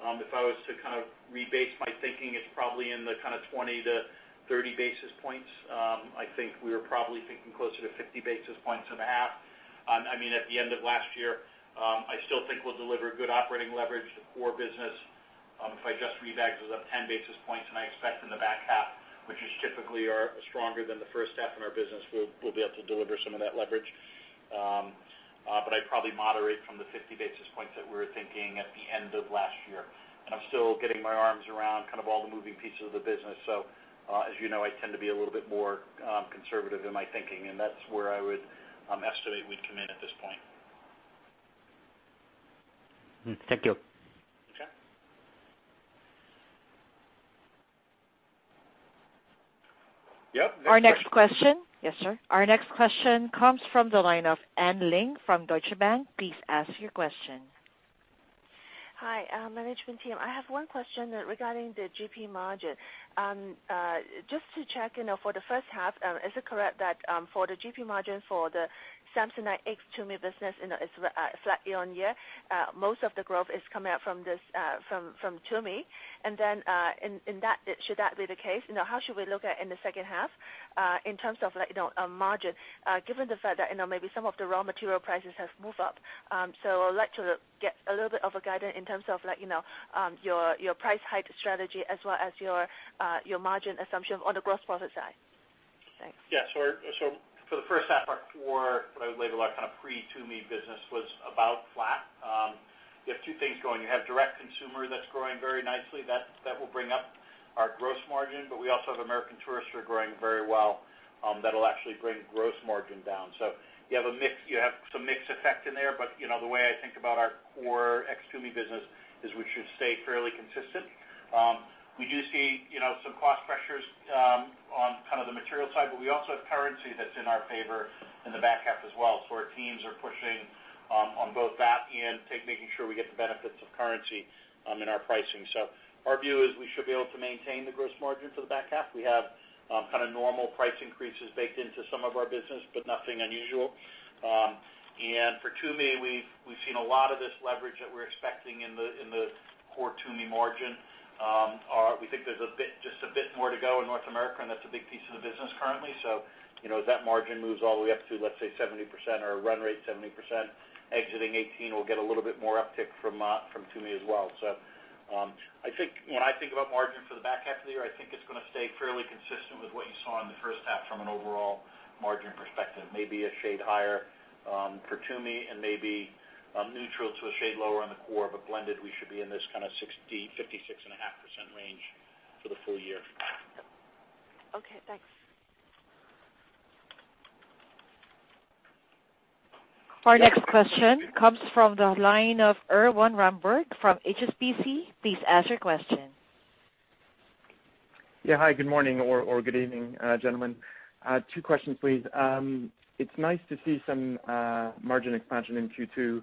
If I was to rebase my thinking, it's probably in the kind of 20-30 basis points. I think we were probably thinking closer to 50 basis points in the half. At the end of last year. I still think we'll deliver good operating leverage to the core business. If we exclude eBags, it was up 10 basis points, and I expect in the back half, which is typically stronger than the first half in our business, we'll be able to deliver some of that leverage. I'd probably moderate from the 50 basis points that we were thinking at the end of last year. I'm still getting my arms around all the moving pieces of the business. As you know, I tend to be a little bit more conservative in my thinking, and that's where I would estimate we'd come in at this point. Thank you. Okay. Yep. Next question. Our next question. Yes, sir. Our next question comes from the line of Anne Ling from Deutsche Bank. Please ask your question. Hi, management team. I have one question regarding the GP margin. Just to check, for the first half, is it correct that for the GP margin for the Samsonite ex Tumi business, it's flat year on year? Most of the growth is coming out from Tumi. Should that be the case, how should we look at in the second half in terms of margin, given the fact that maybe some of the raw material prices have moved up? I would like to get a little bit of a guidance in terms of your price hike strategy as well as your margin assumption on the gross profit side. Thanks. Yeah. For the first half, our core, what I would label our kind of pre-Tumi business, was about flat. You have two things going. You have direct-to-consumer that's growing very nicely. That will bring up our gross margin, but we also have American Tourister growing very well. That'll actually bring gross margin down. You have some mix effect in there, but the way I think about our core ex Tumi business is we should stay fairly consistent. We do see some cost pressures on the material side, but we also have currency that's in our favor in the back half as well. Our teams are pushing on both that and making sure we get the benefits of currency in our pricing. Our view is we should be able to maintain the gross margin for the back half. We have kind of normal price increases baked into some of our business, but nothing unusual. For Tumi, we've seen a lot of this leverage that we're expecting in the core Tumi margin. We think there's just a bit more to go in North America, and that's a big piece of the currently. As that margin moves all the way up to, let's say, 70% or a run rate 70%, exiting 2018 will get a little bit more uptick from Tumi as well. When I think about margin for the back half of the year, I think it's going to stay fairly consistent with what you saw in the first half from an overall margin perspective. Maybe a shade higher for Tumi and maybe neutral to a shade lower on the core. Blended, we should be in this kind of 56.5% range for the full year. Okay, thanks. Our next question comes from the line of Erwan Rambourg from HSBC. Please ask your question. Yeah. Hi, good morning or good evening, gentlemen. Two questions, please. It's nice to see some margin expansion in Q2.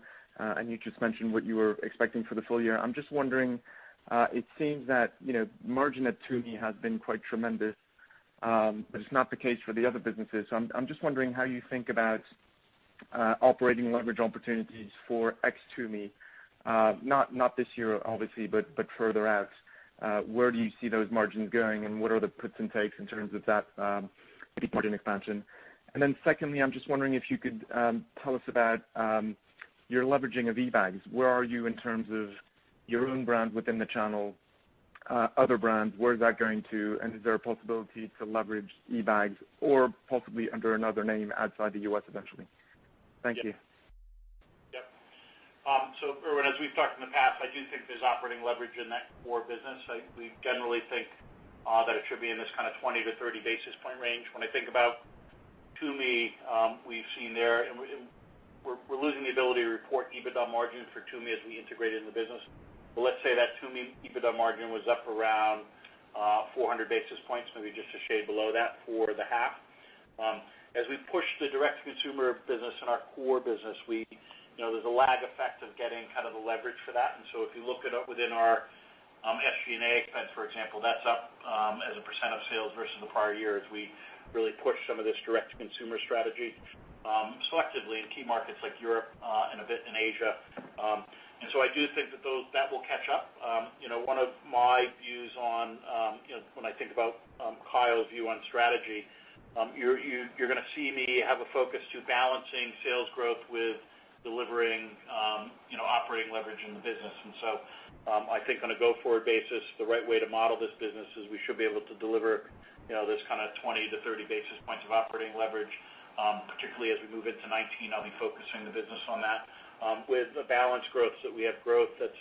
You just mentioned what you were expecting for the full year. I'm just wondering, it seems that margin at Tumi has been quite tremendous, but it's not the case for the other businesses. I'm just wondering how you think about operating leverage opportunities for ex-Tumi. Not this year, obviously, but further out. Where do you see those margins going, and what are the puts and takes in terms of that margin expansion? Then secondly, I'm just wondering if you could tell us about your leveraging of eBags. Where are you in terms of your own brand within the channel, other brands, where is that going to, and is there a possibility to leverage eBags or possibly under another name outside the U.S. eventually? Thank you. Yep. Erwin, as we've talked in the past, I do think there's operating leverage in that core business. We generally think that it should be in this kind of 20-30 basis point range. When I think about Tumi, we've seen there, and we're losing the ability to report EBITDA margin for Tumi as we integrate it in the business. Let's say that Tumi EBITDA margin was up around 400 basis points, maybe just a shade below that for the half. As we push the direct-to-consumer business and our core business, there's a lag effect of getting the leverage for that. If you look at it within our SG&A expense, for example, that's up as a % of sales versus the prior year as we really push some of this direct-to-consumer strategy selectively in key markets like Europe, and a bit in Asia. I do think that that will catch up. One of my views on when I think about Kyle's view on strategy, you're going to see me have a focus to balancing sales growth with delivering operating leverage in the business. I think on a go-forward basis, the right way to model this business is we should be able to deliver this kind of 20-30 basis points of operating leverage. Particularly as we move into 2019, I'll be focusing the business on that. With a balanced growth, so that we have growth that's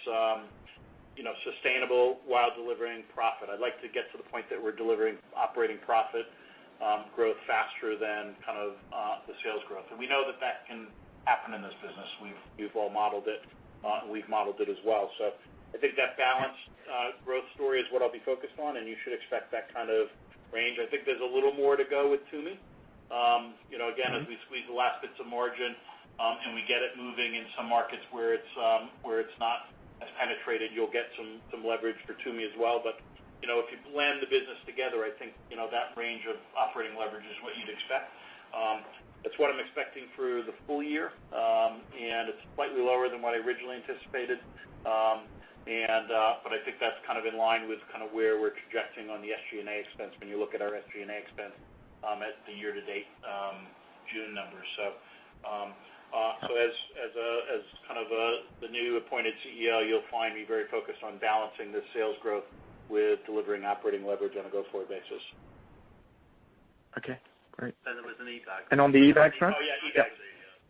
sustainable while delivering profit. I'd like to get to the point that we're delivering operating profit growth faster than the sales growth. We know that that can happen in this business. We've all modeled it, and we've modeled it as well. I think that balanced growth story is what I'll be focused on, and you should expect that kind of range. I think there's a little more to go with Tumi. Again, as we squeeze the last bits of margin, and we get it moving in some markets where it's not as penetrated, you'll get some leverage for Tumi as well. If you blend the business together, I think that range of operating leverage is what you'd expect. It's what I'm expecting through the full year. It's slightly lower than what I originally anticipated. I think that's in line with where we're projecting on the SG&A expense when you look at our SG&A expense at the year-to-date June numbers. As the new appointed CEO, you'll find me very focused on balancing the sales growth with delivering operating leverage on a go-forward basis. Okay, great. Then with eBags. On the eBags front? Oh, yeah, eBags.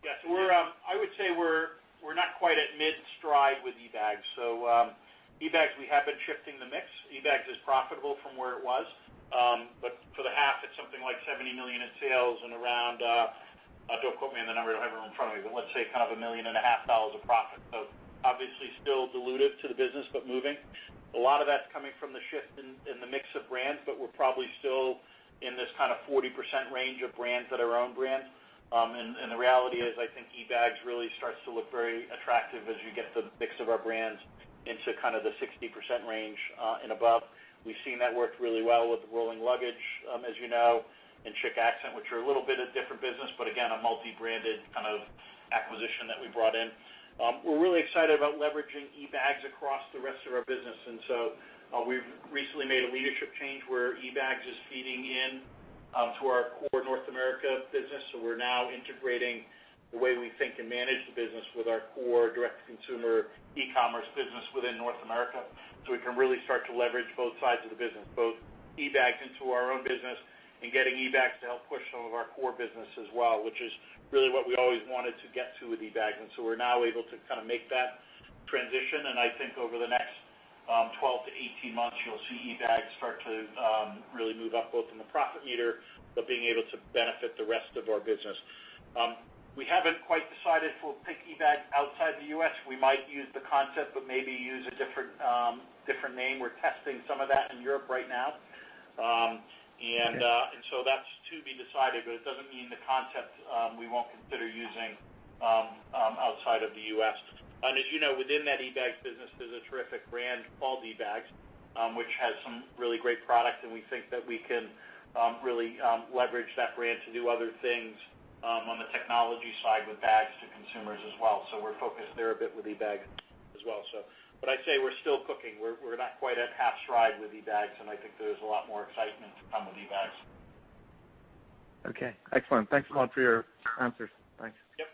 Yeah. I would say we're not quite at mid-stride with eBags. eBags, we have been shifting the mix. eBags is profitable from where it was. For the half, it's something like $70 million in sales and around, don't quote me on the number, I don't have it in front of me, but let's say kind of $1.5 million of profit. Obviously still dilutive to the business, but moving. A lot of that's coming from the shift in the mix of brands, but we're probably still in this kind of 40% range of brands that are own brands. The reality is, I think eBags really starts to look very attractive as you get the mix of our brands into the 60% range and above. We've seen that work really well with Rolling Luggage, as you know, and KIKO Milano, which are a little bit of different business, but again, a multi-branded kind of acquisition that we brought in. We're really excited about leveraging eBags across the rest of our business. We've recently made a leadership change where eBags is feeding into our core North America business. We're now integrating the way we think and manage the business with our core direct-to-consumer e-commerce business within North America. We can really start to leverage both sides of the business, both eBags into our own business and getting eBags to help push some of our core business as well, which is really what we always wanted to get to with eBags. We're now able to make that transition, and I think over the next 12-18 months, you'll see eBags start to really move up both in the profit meter, but being able to benefit the rest of our business. We haven't quite decided if we'll take eBags outside the U.S. We might use the concept, but maybe use a different name. We're testing some of that in Europe right now. That's to be decided, but it doesn't mean the concept we won't consider using outside of the U.S. As you know, within that eBags business, there's a terrific brand called eBags, which has some really great products, and we think that we can really leverage that brand to do other things on the technology side with bags to consumers as well. We're focused there a bit with eBags as well. I'd say we're still cooking. We're not quite at half stride with eBags, and I think there's a lot more excitement to come with eBags. Okay, excellent. Thanks a lot for your answers. Thanks. Yep.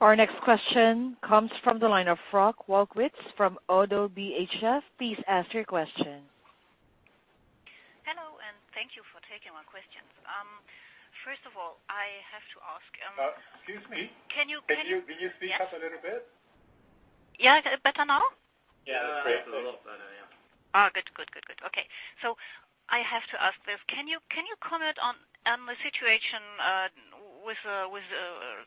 Our next question comes from the line of Frank Walkwitz from Oddo BHF. Please ask your question. Hello, and thank you for taking my questions. First of all, I have to ask. Excuse me. Can you- Can you speak up a little bit? Yeah. Better now? That's a lot better, yeah. Oh, good. Okay. I have to ask this. Can you comment on the situation with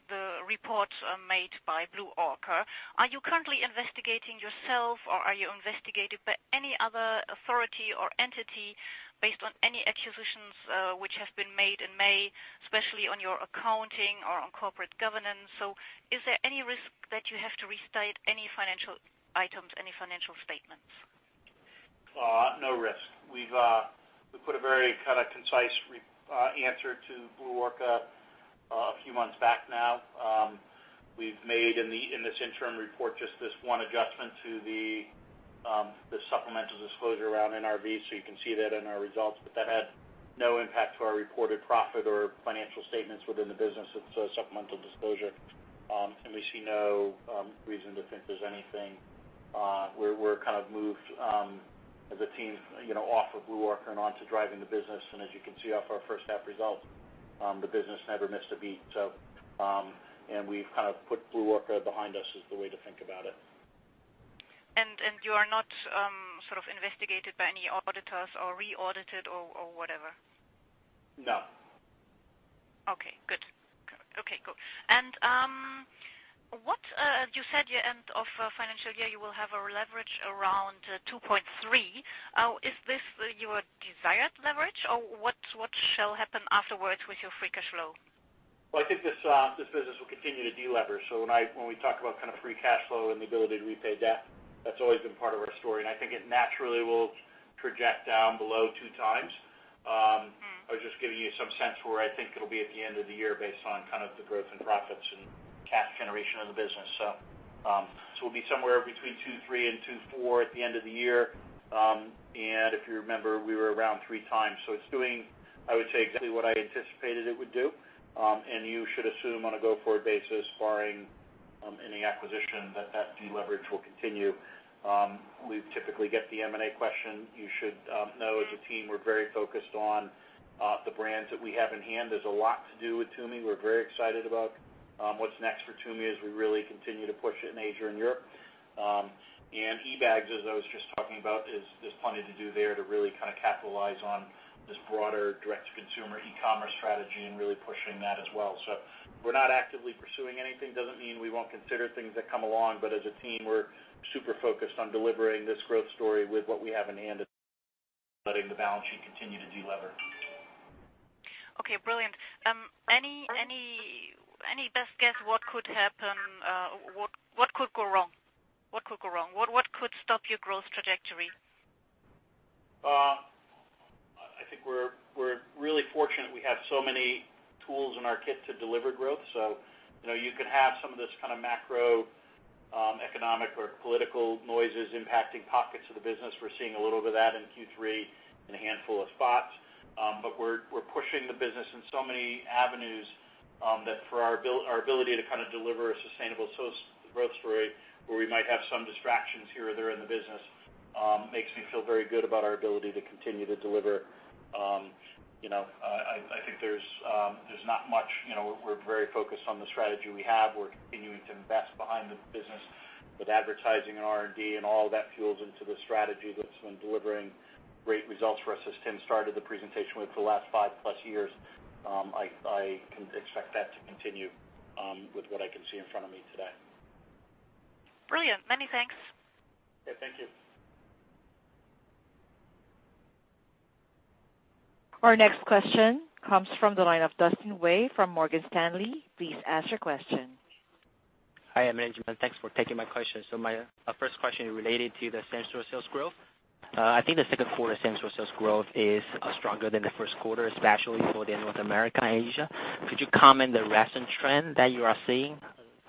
the report made by Blue Orca? Are you currently investigating yourself, or are you investigated by any other authority or entity based on any acquisitions which have been made in May, especially on your accounting or on corporate governance? Is there any risk that you have to restate any financial items, any financial statements? No risk. We put a very concise answer to Blue Orca a few months back now. We've made, in this interim report, just this one adjustment to the supplemental disclosure around NRV. You can see that in our results. That had no impact to our reported profit or financial statements within the business. It's a supplemental disclosure. We see no reason to think there's anything. We're kind of moved, as a team, off of Blue Orca and onto driving the business. As you can see off our first half results, the business never missed a beat. We've kind of put Blue Orca behind us, is the way to think about it. You are not sort of investigated by any auditors or re-audited or whatever? No. Okay, good. You said your end of financial year, you will have a leverage around 2.3. Is this your desired leverage, or what shall happen afterwards with your free cash flow? Well, I think this business will continue to delever. When we talk about kind of free cash flow and the ability to repay debt, that's always been part of our story. I think it naturally will project down below two times. I was just giving you some sense where I think it'll be at the end of the year based on kind of the growth in profits and cash generation of the business. We'll be somewhere between 2.3 and 2.4 at the end of the year. If you remember, we were around three times. It's doing, I would say, exactly what I anticipated it would do. You should assume on a go-forward basis, barring any acquisition, that that deleverage will continue. We typically get the M&A question. You should know, as a team, we're very focused on the brands that we have in hand. There's a lot to do with Tumi. We're very excited about what's next for Tumi as we really continue to push it in Asia and Europe. eBags, as I was just talking about, there's plenty to do there to really capitalize on this broader direct-to-consumer e-commerce strategy and really pushing that as well. We're not actively pursuing anything. Doesn't mean we won't consider things that come along, but as a team, we're super focused on delivering this growth story with what we have in hand and letting the balance sheet continue to delever. Okay, brilliant. Any best guess what could happen? What could go wrong? What could stop your growth trajectory? I think we're really fortunate we have so many tools in our kit to deliver growth. You could have some of this kind of macroeconomic or political noises impacting pockets of the business. We're seeing a little bit of that in Q3 in a handful of spots. We're pushing the business in so many avenues that for our ability to kind of deliver a sustainable growth story, where we might have some distractions here or there in the business, makes me feel very good about our ability to continue to deliver. I think there's not much. We're very focused on the strategy we have. We're continuing to invest behind the business with advertising and R&D, and all of that fuels into the strategy that's been delivering great results for us, as Tim started the presentation with, for the last five-plus years. I can expect that to continue with what I can see in front of me today. Brilliant. Many thanks. Yeah, thank you. Our next question comes from the line of Dustin Wei from Morgan Stanley. Please ask your question. Hi, management. Thanks for taking my question. My first question related to the same-store sales growth. I think the second quarter same-store sales growth is stronger than the first quarter, especially for the North America and Asia. Could you comment the recent trend that you are seeing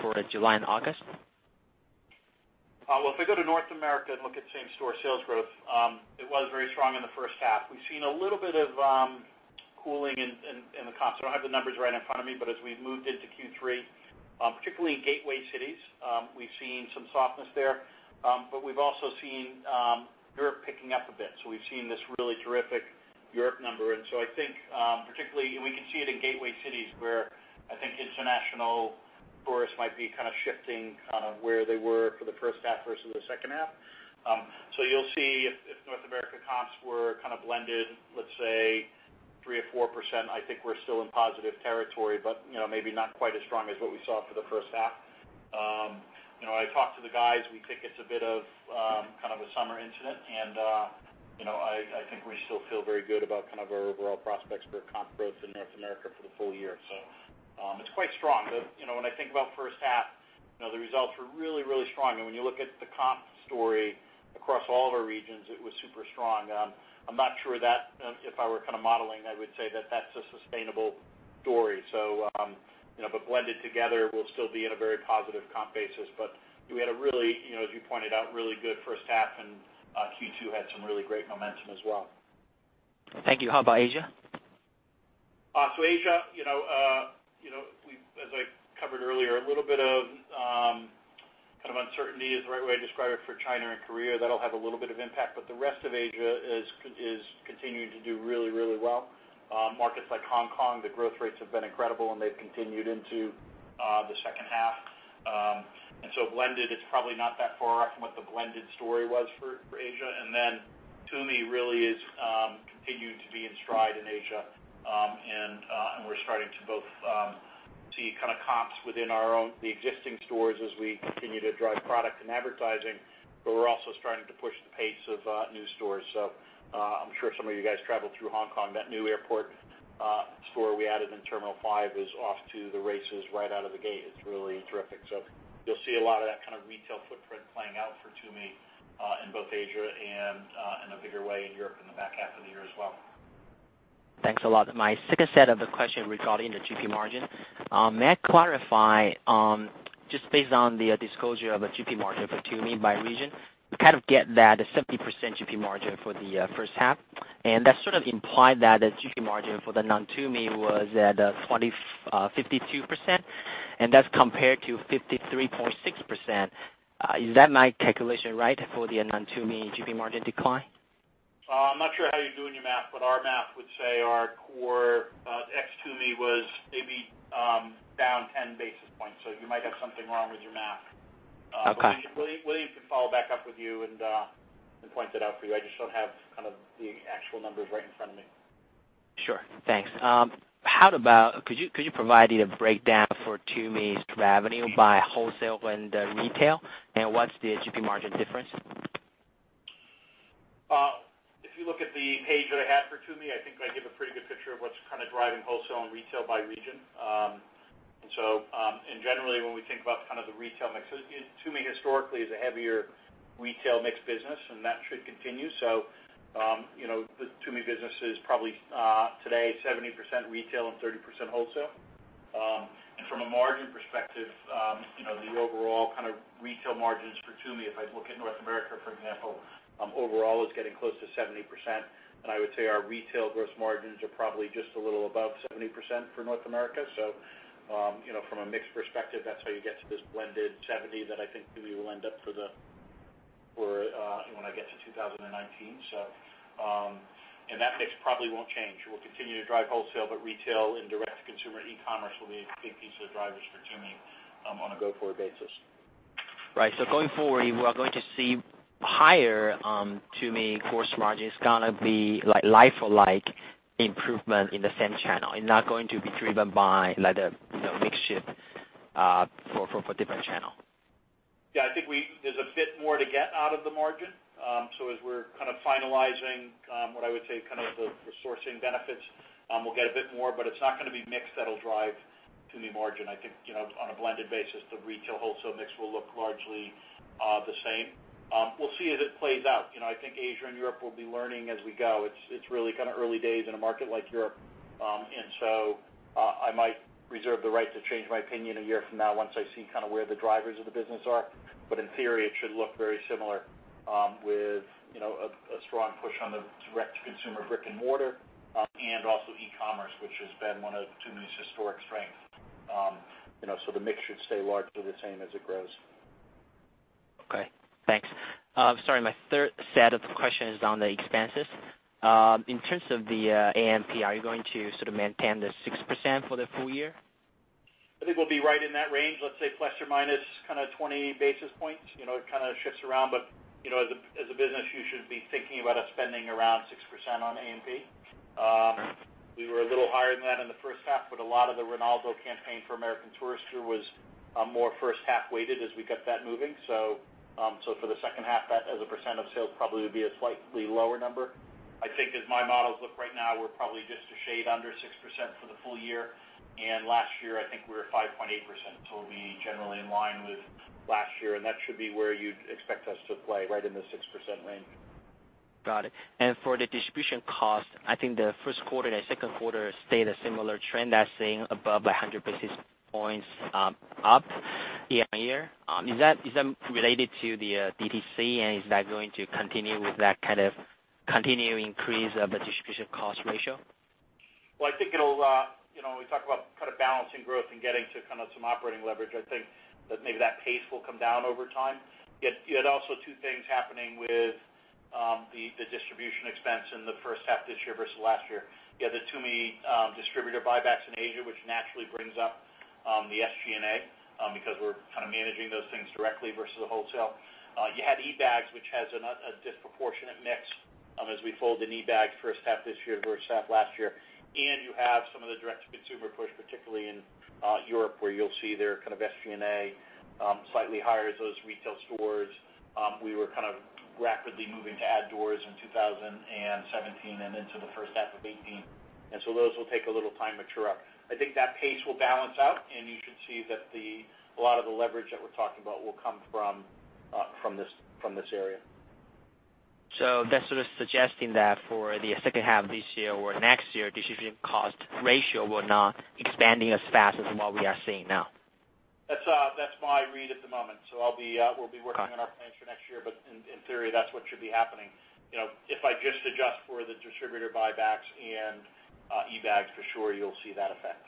for July and August? Well, if we go to North America and look at same-store sales growth, it was very strong in the first half. We've seen a little bit of cooling in the comps. I don't have the numbers right in front of me, as we've moved into Q3, particularly in gateway cities, we've seen some softness there. We've also seen Europe picking up a bit. We've seen this really terrific Europe number. I think, particularly, we can see it in gateway cities, where I think international tourists might be kind of shifting where they were for the first half versus the second half. You'll see if North America comps were kind of blended, let's say 3% or 4%, I think we're still in positive territory, but maybe not quite as strong as what we saw for the first half. I talked to the guys. We think it's a bit of kind of a summer incident and I think we still feel very good about kind of our overall prospects for comp growth in North America for the full year. It's quite strong. When I think about first half, the results were really, really strong. When you look at the comp story across all of our regions, it was super strong. I'm not sure if I were kind of modeling, I would say that that's a sustainable story. Blended together, we'll still be in a very positive comp basis. We had a really, as you pointed out, really good first half, and Q2 had some really great momentum as well. Thank you. How about Asia? Asia, as I covered earlier, a little bit of kind of uncertainty is the right way to describe it for China and Korea. That'll have a little bit of impact, but the rest of Asia is continuing to do really, really well. Markets like Hong Kong, the growth rates have been incredible, and they've continued into the second half. Blended, it's probably not that far off from what the blended story was for Asia. Then Tumi really is continuing to be in stride in Asia. We're starting to both see comps within our own, the existing stores as we continue to drive product and advertising, but we're also starting to push the pace of new stores. I'm sure some of you guys traveled through Hong Kong. That new airport store we added in Terminal 5 is off to the races right out of the gate. It's really terrific. You'll see a lot of that kind of retail footprint playing out for Tumi in both Asia and in a bigger way in Europe in the back half of the year as well. Thanks a lot. My second set of the question regarding the GP margin. May I clarify, just based on the disclosure of a GP margin for Tumi by region, we kind of get that 70% GP margin for the first half, and that sort of implied that the GP margin for the non-Tumi was at 52%, and that's compared to 53.6%. Is that my calculation right for the non-Tumi GP margin decline? I'm not sure how you're doing your math, our math would say our core ex Tumi was maybe down 10 basis points. You might have something wrong with your math. Okay. William can follow back up with you and point that out for you. I just don't have kind of the actual numbers right in front of me. Sure. Thanks. Could you provide a breakdown for Tumi's revenue by wholesale and retail, and what's the GP margin difference? If you look at the page that I have for Tumi, I think I give a pretty good picture of what's kind of driving wholesale and retail by region. Generally, when we think about the retail mix, Tumi historically is a heavier retail mix business, and that should continue. The Tumi business is probably today 70% retail and 30% wholesale. From a margin perspective, the overall kind of retail margins for Tumi, if I look at North America, for example, overall it's getting close to 70%. I would say our retail gross margins are probably just a little above 70% for North America. From a mix perspective, that's how you get to this blended 70% that I think we will end up for when I get to 2019. That mix probably won't change. We'll continue to drive wholesale, but retail and direct-to-consumer e-commerce will be a big piece of the drivers for Tumi on a go-forward basis. Right. Going forward, we are going to see higher Tumi gross margin. It's going to be like like-for-like improvement in the same channel, and not going to be driven by the mix shift for different channel. Yeah, I think there's a bit more to get out of the margin. As we're kind of finalizing what I would say the sourcing benefits, we'll get a bit more, but it's not going to be mix that'll drive Tumi margin. I think, on a blended basis, the retail wholesale mix will look largely the same. We'll see as it plays out. I think Asia and Europe will be learning as we go. It's really kind of early days in a market like Europe. I might reserve the right to change my opinion a year from now once I see where the drivers of the business are. In theory, it should look very similar with a strong push on the direct-to-consumer brick and mortar, and also e-commerce, which has been one of Tumi's historic strengths. The mix should stay largely the same as it grows. Okay, thanks. Sorry, my third set of questions is on the expenses. In terms of the A&P, are you going to sort of maintain the 6% for the full year? I think we'll be right in that range, let's say plus or minus 20 basis points. It kind of shifts around, but as a business, you should be thinking about us spending around 6% on A&P. We were a little higher than that in the first half, but a lot of the Ronaldo campaign for American Tourister was more first half weighted as we got that moving. For the second half, that as a % of sales probably would be a slightly lower number. I think as my models look right now, we're probably just a shade under 6% for the full year. Last year, I think we were 5.8%, so we'll be generally in line with last year, and that should be where you'd expect us to play, right in the 6% range. Got it. For the distribution cost, I think the first quarter and second quarter stayed a similar trend as saying above 100 basis points up year-over-year. Is that related to the DTC, and is that going to continue with that kind of continued increase of the distribution cost ratio? Well, I think when we talk about balancing growth and getting to some operating leverage, I think that maybe that pace will come down over time. You had also two things happening with the distribution expense in the first half this year versus last year. You had the Tumi distributor buybacks in Asia, which naturally brings up the SG&A because we're kind of managing those things directly versus the wholesale. You had eBags, which has a disproportionate mix as we fold in eBags first half this year versus first half last year. You have some of the direct-to-consumer push, particularly in Europe where you'll see their kind of SG&A slightly higher as those retail stores. We were kind of rapidly moving to add doors in 2017 and into the first half of 2018, those will take a little time to mature up. I think that pace will balance out, and you should see that a lot of the leverage that we're talking about will come from this area. That's sort of suggesting that for the second half of this year or next year, distribution cost ratio will not expanding as fast as what we are seeing now. That's my read at the moment. Okay We'll be working on our plans for next year, but in theory, that's what should be happening. If I just adjust for the distributor buybacks and eBags, for sure you'll see that effect.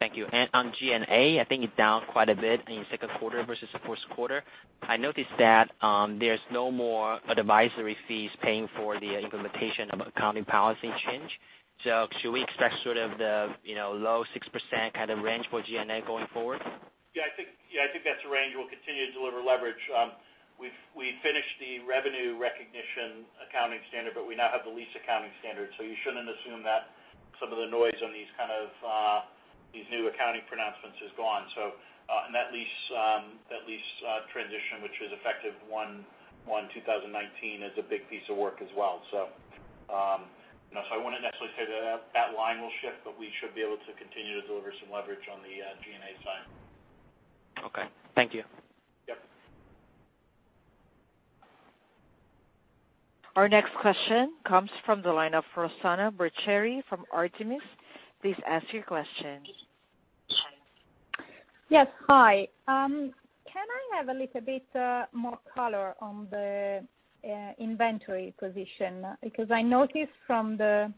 Thank you. On G&A, I think it's down quite a bit in the second quarter versus the first quarter. I noticed that there's no more advisory fees paying for the implementation of accounting policy change. Should we expect sort of the low 6% kind of range for G&A going forward? I think that's the range we'll continue to deliver leverage. We finished the revenue recognition accounting standard, we now have the lease accounting standard. You shouldn't assume that some of the noise on these kind of these new accounting pronouncements is gone. That lease transition, which is effective 01/01/2019, is a big piece of work as well. I wouldn't necessarily say that line will shift, but we should be able to continue to deliver some leverage on the G&A side. Okay. Thank you. Yep. Our next question comes from the line of Rosanna Burcheri from Artemis. Please ask your question. Yes, hi. Can I have a little bit more color on the inventory position? I noticed from the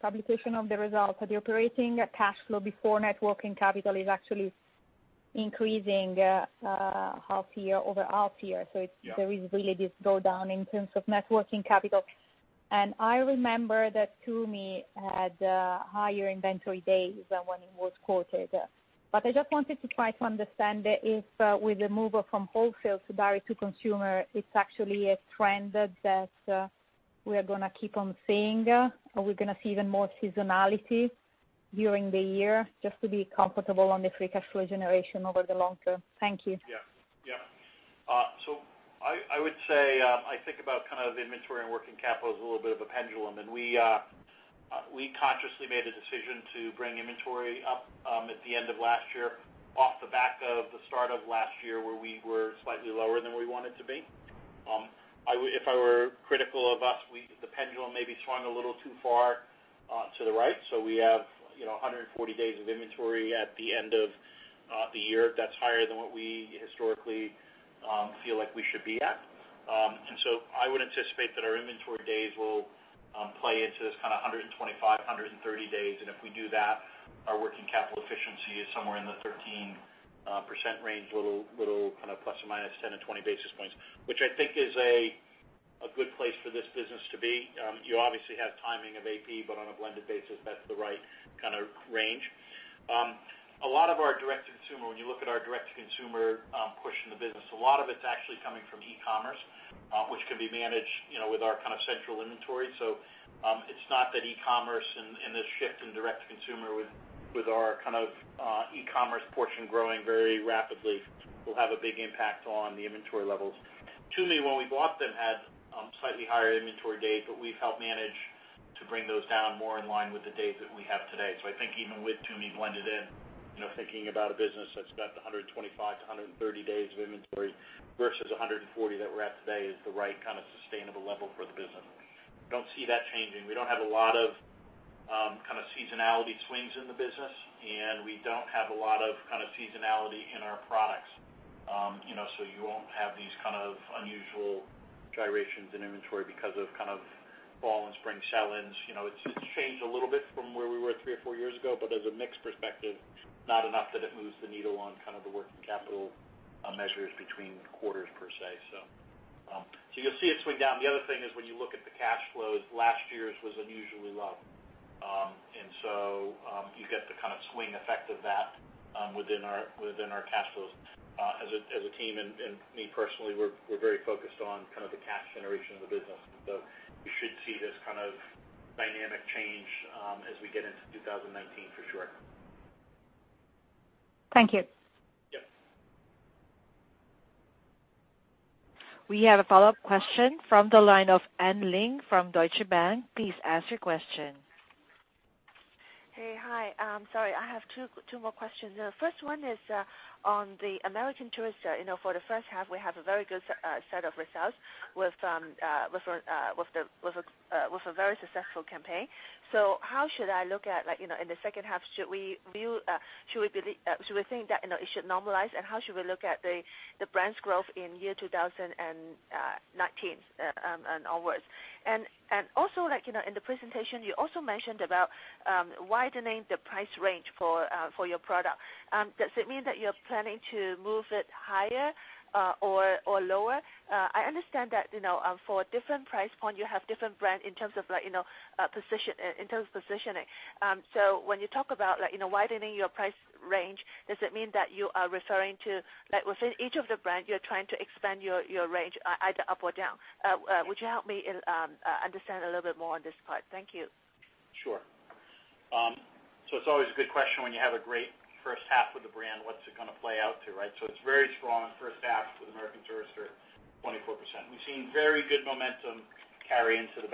publication of the results that the operating cash flow before net working capital is actually increasing half-year over half-year. Yeah. There is really this go down in terms of net working capital. I remember that Tumi had higher inventory days than when it was quoted. I just wanted to try to understand if with the move from wholesale to direct-to-consumer, it's actually a trend that we are going to keep on seeing, or we're going to see even more seasonality during the year just to be comfortable on the free cash flow generation over the long term. Thank you. Yeah. I would say, I think about inventory and working capital as a little bit of a pendulum. We consciously made a decision to bring inventory up at the end of last year, off the back of the start of last year, where we were slightly lower than we wanted to be. If I were critical of us, the pendulum maybe swung a little too far to the right. We have 140 days of inventory at the end of the year. That's higher than what we historically feel like we should be at. I would anticipate that our inventory days will play into this kind of 125, 130 days. If we do that, our working capital efficiency is somewhere in the 13% range, little kind of ±10 or 20 basis points, which I think is a good place for this business to be. You obviously have timing of AP, on a blended basis, that's the right kind of range. A lot of our direct-to-consumer, when you look at our direct-to-consumer push in the business, a lot of it's actually coming from e-commerce, which can be managed with our kind of central inventory. It's not that e-commerce and this shift in direct-to-consumer with our kind of e-commerce portion growing very rapidly will have a big impact on the inventory levels. Tumi, when we bought them, had slightly higher inventory days. We've helped manage to bring those down more in line with the days that we have today. I think even with Tumi blended in, thinking about a business that's got the 125-130 days of inventory versus 140 that we're at today is the right kind of sustainable level for the business. We don't see that changing. We don't have a lot of kind of seasonality swings in the business, and we don't have a lot of seasonality in our products. You won't have these kind of unusual gyrations in inventory because of fall and spring sell-ins. It's changed a little bit from where we were three or four years ago, but as a mix perspective, not enough that it moves the needle on the working capital measures between quarters, per se. You'll see it swing down. The other thing is when you look at the cash flows, last year's was unusually low. You get the kind of swing effect of that within our cash flows. As a team and me personally, we're very focused on the cash generation of the business. You should see this kind of dynamic change as we get into 2019 for sure. Thank you. Yep. We have a follow-up question from the line of Anne Ling from Deutsche Bank. Please ask your question. Hey, hi. Sorry, I have two more questions. The first one is on the American Tourister. For the first half, we have a very good set of results with a very successful campaign. How should I look at, like in the second half, should we think that it should normalize, and how should we look at the brand's growth in 2019 onwards? Also, in the presentation, you also mentioned about widening the price range for your product. Does it mean that you're planning to move it higher or lower? I understand that for a different price point, you have different brand in terms of positioning. When you talk about widening your price range, does it mean that you are referring to within each of the brand, you're trying to expand your range either up or down? Would you help me understand a little bit more on this part? Thank you. Sure. It's always a good question when you have a great first half with a brand, what's it going to play out to, right? It's very strong first half with American Tourister at 24%. We've seen very good momentum carry into the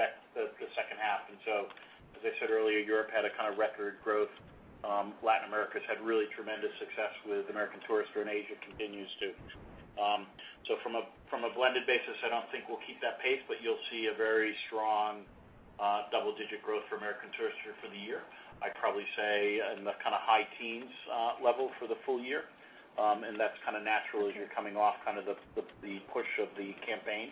second half. As I said earlier, Europe had a kind of record growth Latin America's had really tremendous success with American Tourister, and Asia continues to. From a blended basis, I don't think we'll keep that pace, but you'll see a very strong double-digit growth for American Tourister for the year. I'd probably say in the high teens level for the full year. That's natural as you're coming off the push of the campaign.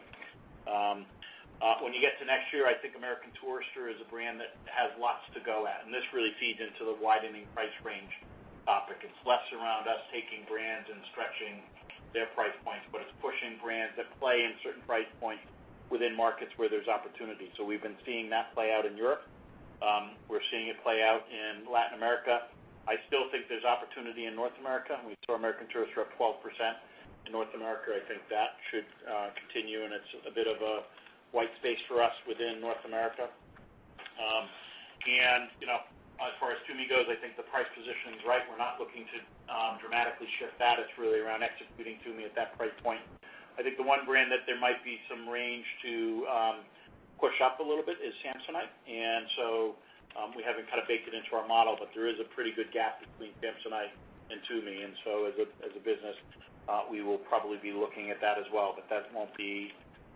When you get to next year, I think American Tourister is a brand that has lots to go at, and this really feeds into the widening price range topic. It's less around us taking brands and stretching their price points, but it's pushing brands that play in certain price points within markets where there's opportunity. We've been seeing that play out in Europe. We're seeing it play out in Latin America. I still think there's opportunity in North America. We saw American Tourister up 12% in North America. I think that should continue, and it's a bit of a white space for us within North America. As far as Tumi goes, I think the price position's right. We're not looking to dramatically shift that. It's really around executing Tumi at that price point. I think the one brand that there might be some range to push up a little bit is Samsonite. We haven't baked it into our model, there is a pretty good gap between Samsonite and Tumi. As a business, we will probably be looking at that as well, that won't be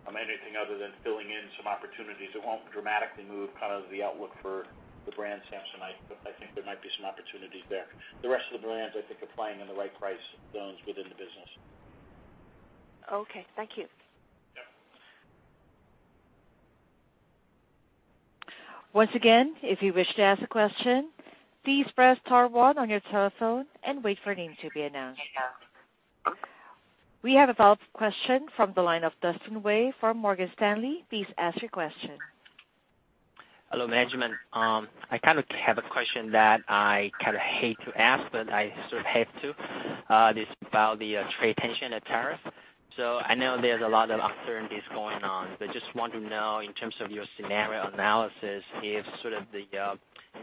anything other than filling in some opportunities. It won't dramatically move the outlook for the brand Samsonite, I think there might be some opportunities there. The rest of the brands, I think are playing in the right price zones within the business. Okay. Thank you. Yeah. Once again, if you wish to ask a question, please press star one on your telephone and wait for your name to be announced. We have a follow-up question from the line of Dustin Wei from Morgan Stanley. Please ask your question. Hello, management. I have a question that I hate to ask, I sort of have to. This is about the trade tension, the tariff. I know there's a lot of uncertainties going on, just want to know in terms of your scenario analysis, if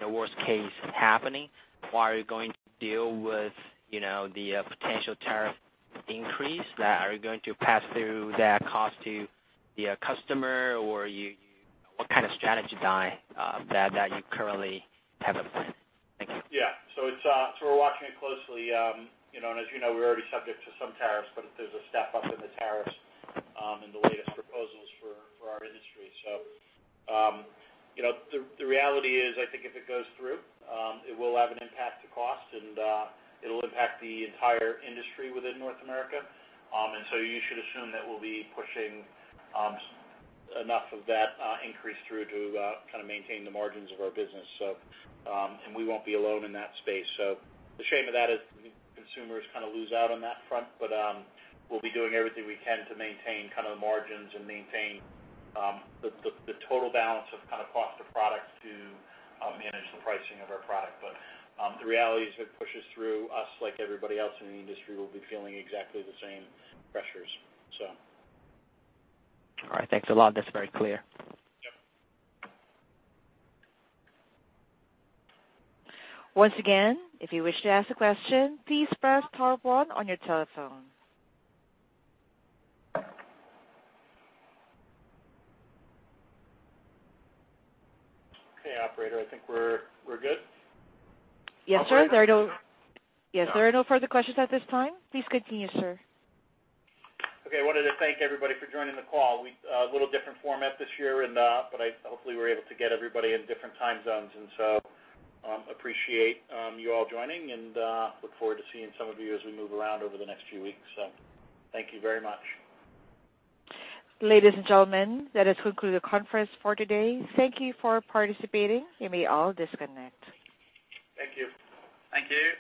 the worst case is happening, how are you going to deal with the potential tariff increase that are going to pass through that cost to the customer? What kind of strategy that you currently have in place? Thanks. Yeah. We're watching it closely. As you know, we're already subject to some tariffs, but there's a step up in the tariffs in the latest proposals for our industry. The reality is, I think if it goes through, it will have an impact to cost and it'll impact the entire industry within North America. You should assume that we'll be pushing enough of that increase through to maintain the margins of our business. We won't be alone in that space. The shame of that is consumers lose out on that front, but we'll be doing everything we can to maintain the margins and maintain the total balance of cost of products to manage the pricing of our product. The reality is, if it pushes through, us like everybody else in the industry will be feeling exactly the same pressures. All right. Thanks a lot. That's very clear. Yep. Once again, if you wish to ask a question, please press star one on your telephone. Okay, operator. I think we're good. Yes, sir. There are no further questions at this time. Please continue, sir. Okay. I wanted to thank everybody for joining the call. A little different format this year, but hopefully we're able to get everybody in different time zones. Appreciate you all joining and look forward to seeing some of you as we move around over the next few weeks. Thank you very much. Ladies and gentlemen, that has concluded the conference for today. Thank you for participating. You may all disconnect. Thank you. Thank you.